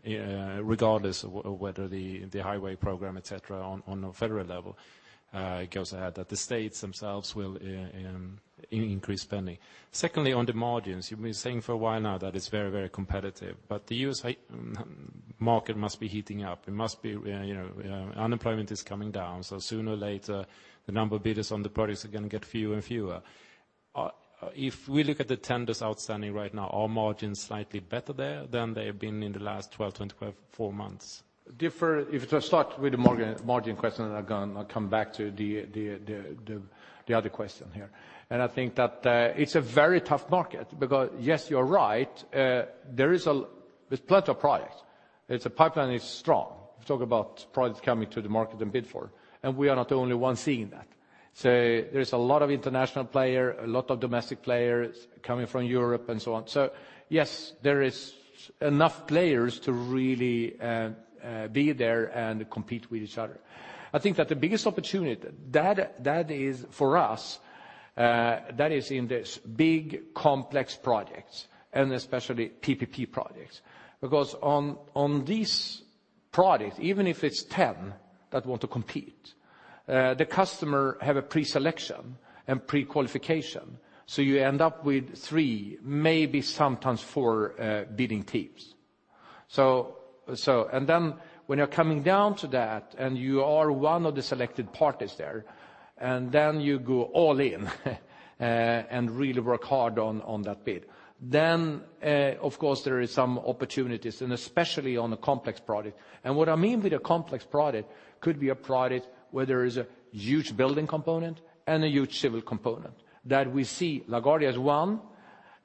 regardless of whether the highway program, et cetera, on a federal level goes ahead, that the states themselves will increase spending? Secondly, on the margins, you've been saying for a while now that it's very, very competitive, but the U.S. market must be heating up. It must be, you know, unemployment is coming down, so sooner or later, the number of bidders on the products are going to get fewer and fewer. If we look at the tenders outstanding right now, are margins slightly better there than they've been in the last 12, 24 months? Different. If I start with the margin, margin question, I'm going to come back to the other question here. And I think that it's a very tough market, because, yes, you're right, there's plenty of products. It's a pipeline is strong. We talk about products coming to the market and bid for, and we are not the only ones seeing that... So there's a lot of international player, a lot of domestic players coming from Europe and so on. So yes, there is enough players to really be there and compete with each other. I think that the biggest opportunity, that is for us, that is in this big, complex projects, and especially PPP projects. Because on these projects, even if it's 10 that want to compete, the customer have a pre-selection and pre-qualification, so you end up with three, maybe sometimes four, bidding teams. So, and then when you're coming down to that, and you are one of the selected parties there, and then you go all in, and really work hard on that bid. Then, of course, there is some opportunities, and especially on a complex project. And what I mean with a complex project, could be a project where there is a huge building component and a huge Civil component. That we see LaGuardia as one,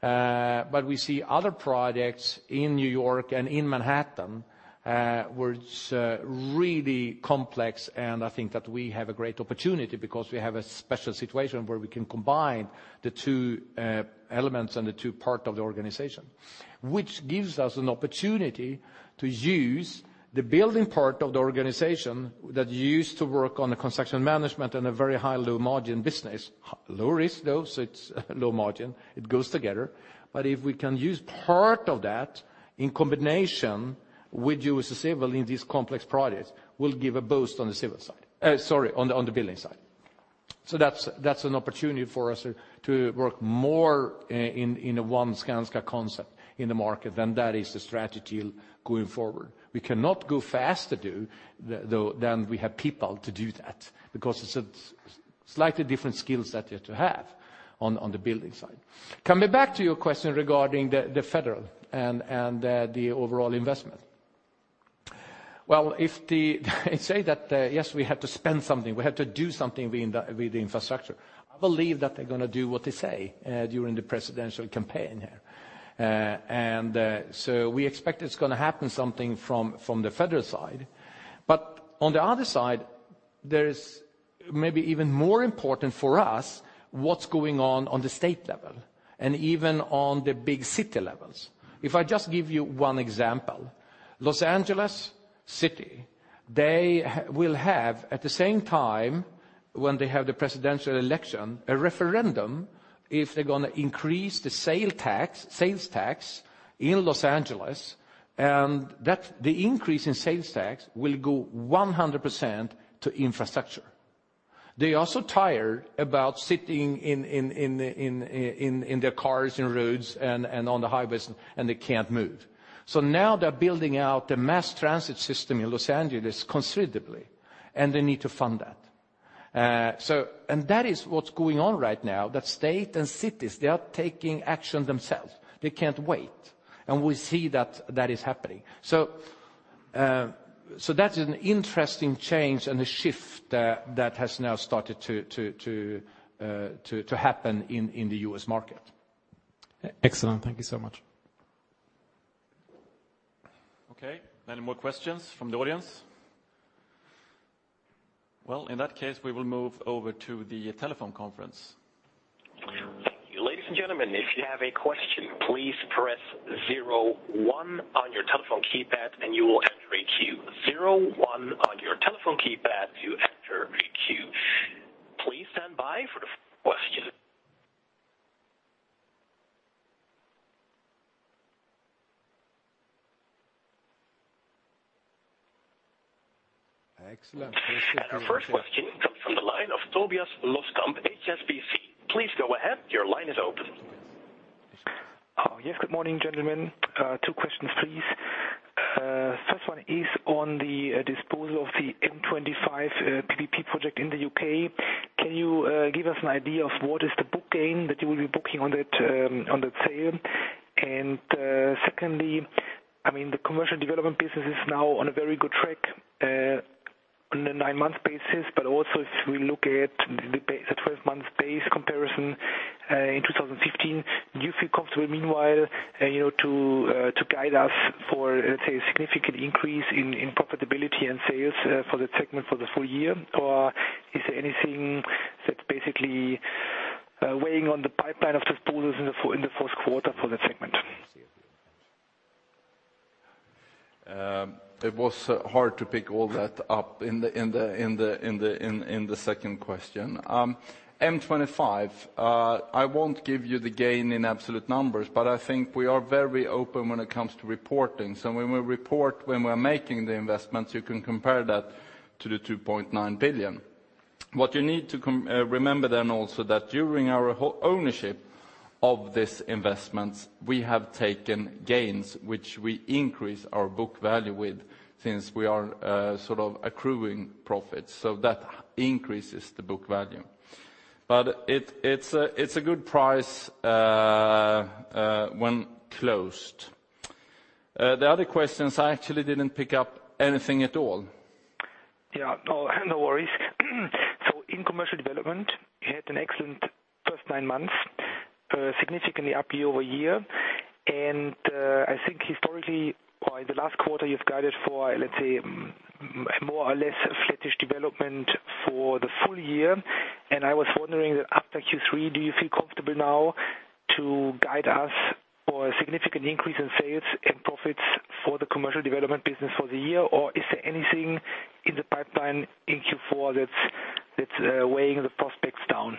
but we see other projects in New York and in Manhattan, where it's really complex, and I think that we have a great opportunity because we have a special situation where we can combine the two elements and the two part of the organization. Which gives us an opportunity to use the Building Part of the organization that used to work on the construction management and a very high, low-margin business. Low risk, though, so it's low margin. It goes together. But if we can use part of that in combination with US Civil in these complex projects, will give a boost on the Civil side. Sorry, on the Building side. So that's an opportunity for us to work more in a one Skanska concept in the market. That is the strategy going forward. We cannot go faster, though, than we have people to do that, because it's a slightly different skills set you have to have on the Building side. Coming back to your question regarding the federal and the overall investment. Well, if they say that, yes, we have to spend something, we have to do something with the infrastructure. I believe that they're gonna do what they say during the presidential campaign here. And so we expect it's gonna happen something from the federal side. But on the other side, there is maybe even more important for us, what's going on on the state level and even on the big city levels. If I just give you one example, Los Angeles city, they will have, at the same time when they have the presidential election, a referendum if they're gonna increase the sales tax in Los Angeles, and that the increase in sales tax will go 100% to infrastructure. They are so tired about sitting in their cars, in roads, and on the highways, and they can't move. So now they're building out a mass transit system in Los Angeles considerably, and they need to fund that. So that is what's going on right now, that state and cities, they are taking action themselves. They can't wait, and we see that that is happening. So, so that is an interesting change and a shift, that has now started to happen in the U.S. market. Excellent. Thank you so much. Okay, any more questions from the audience? Well, in that case, we will move over to the telephone conference. Ladies and gentlemen, if you have a question, please press zero one on your telephone keypad, and you will enter a queue. Zero one on your telephone keypad to enter a queue. Please stand by for the question. Excellent. Our first question comes from the line of Tobias Loskamp, HSBC. Please go ahead. Your line is open. Yes, good morning, gentlemen. Two questions, please. First one is on the disposal of the M25 PPP project in the U.K., Can you give us an idea of what is the book gain that you will be booking on that sale? And secondly, I mean, the Commercial Development business is now on a very good track on the nine-month basis, but also if we look at the twelve-month basis comparison in 2015, do you feel comfortable meanwhile, you know, to guide us for, let's say, a significant increase in profitability and sales for that segment for the full year? Or is there anything that's basically weighing on the pipeline of disposals in the first quarter for that segment? It was hard to pick all that up in the second question. M25, I won't give you the gain in absolute numbers, but I think we are very open when it comes to reporting. So when we report, when we're making the investments, you can compare that to the 2.9 billion. What you need to remember then also, that during our ownership of this investment, we have taken gains, which we increase our book value with, since we are sort of accruing profits, so that increases the book value. But it's a good price when closed. The other questions, I actually didn't pick up anything at all. Yeah. No, no worries. So in Commercial Development, we had an excellent first nine months, significantly up year-over-year. And I think historically, or in the last quarter, you've guided for, let's say, more or less flattish development for the full year. And I was wondering, after Q3, do you feel comfortable now to guide us for a significant increase in sales and profits for the Commercial Development business for the year? Or is there anything in the pipeline in Q4 that's weighing the prospects down?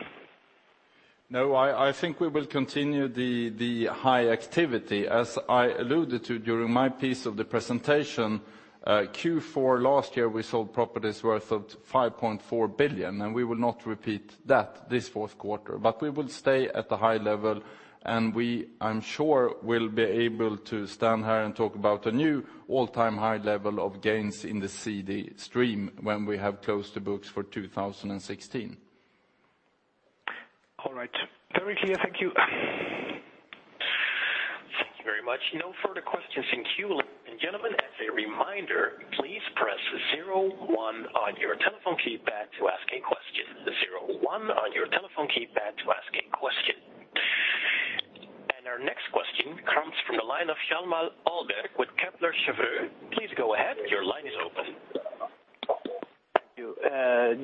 No, I think we will continue the high activity. As I alluded to during my piece of the presentation, Q4 last year, we sold properties worth of 5.4 billion, and we will not repeat that this fourth quarter. But we will stay at the high level, and we, I'm sure, will be able to stand here and talk about the new all-time high level of gains in the CD stream when we have closed the books for 2016. All right. Very clear. Thank you. Thank you very much. No further questions in queue, ladies and gentlemen. As a reminder, please press zero one on your telephone keypad to ask a question. Zero one on your telephone keypad to ask a question. And our next question comes from the line of Hjalmar Ahlberg with Kepler Cheuvreux. Please go ahead. Your line is open. Thank you.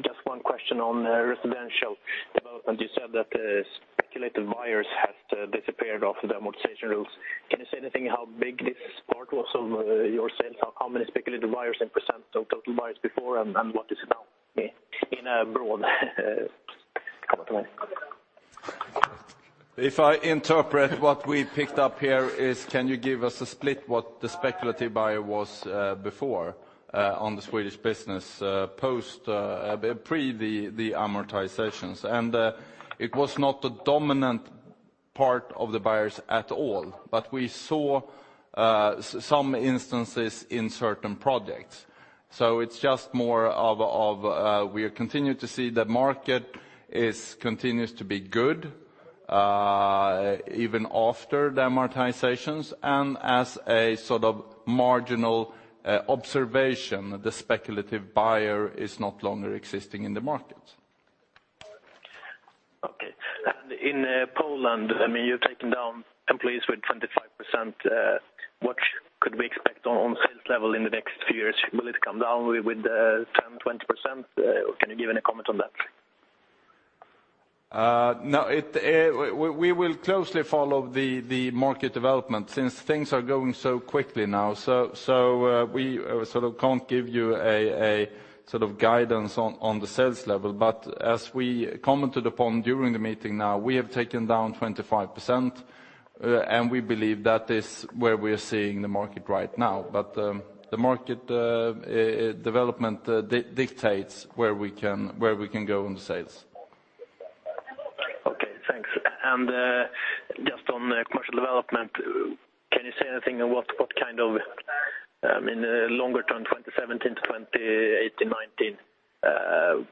Just one question on Residential Development. You said that the speculative buyers have disappeared off the amortization rules. Can you say anything how big this part was of your sales? How many speculative buyers in % of total buyers before, and what is it now in a broad kind of way? If I interpret what we picked up here, is can you give us a split what the speculative buyer was, before, on the Swedish business, post, pre the, the amortizations? And, it was not a dominant part of the buyers at all, but we saw, some instances in certain projects. So it's just more of, of... We continue to see the market is continues to be good, even after the amortizations. And as a sort of marginal, observation, the speculative buyer is no longer existing in the market. Okay. And in Poland, I mean, you've taken down employees with 25%. What could we expect on sales level in the next few years? Will it come down with 10-20%? Can you give any comment on that? No, it... We will closely follow the market development since things are going so quickly now. So, we sort of can't give you a sort of guidance on the sales level. But as we commented upon during the meeting now, we have taken down 25%, and we believe that is where we are seeing the market right now. But the market development dictates where we can go on the sales. Okay, thanks. And just on Commercial Development, can you say anything on what kind of, in the longer term, 2017 to 2018, 2019,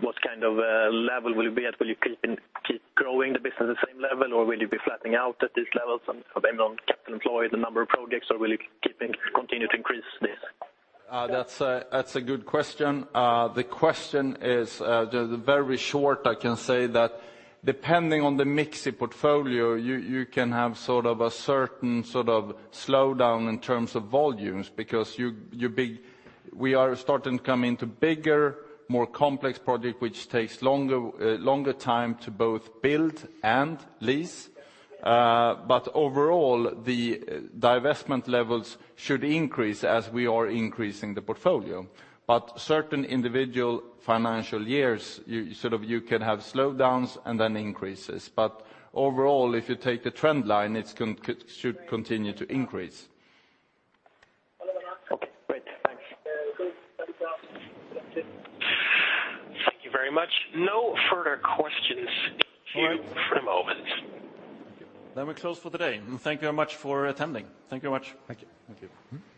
what kind of level will it be at? Will you keep growing the business the same level, or will you be flattening out at this level of capital employed, the number of projects, or will you continue to increase this? That's a good question. The question is, the very short, I can say that depending on the mix in portfolio, you can have sort of a certain sort of slowdown in terms of volumes. Because you, we are starting to come into bigger, more complex project, which takes longer, longer time to both build and lease. Overall, the divestment levels should increase as we are increasing the portfolio. Certain individual financial years, you sort of, you can have slowdowns and then increases. Overall, if you take the trend line, it should continue to increase. Okay, great. Thanks. Thank you very much. No further questions in queue for the moment. Then we close for today. Thank you very much for attending. Thank you very much. Thank you. Thank you.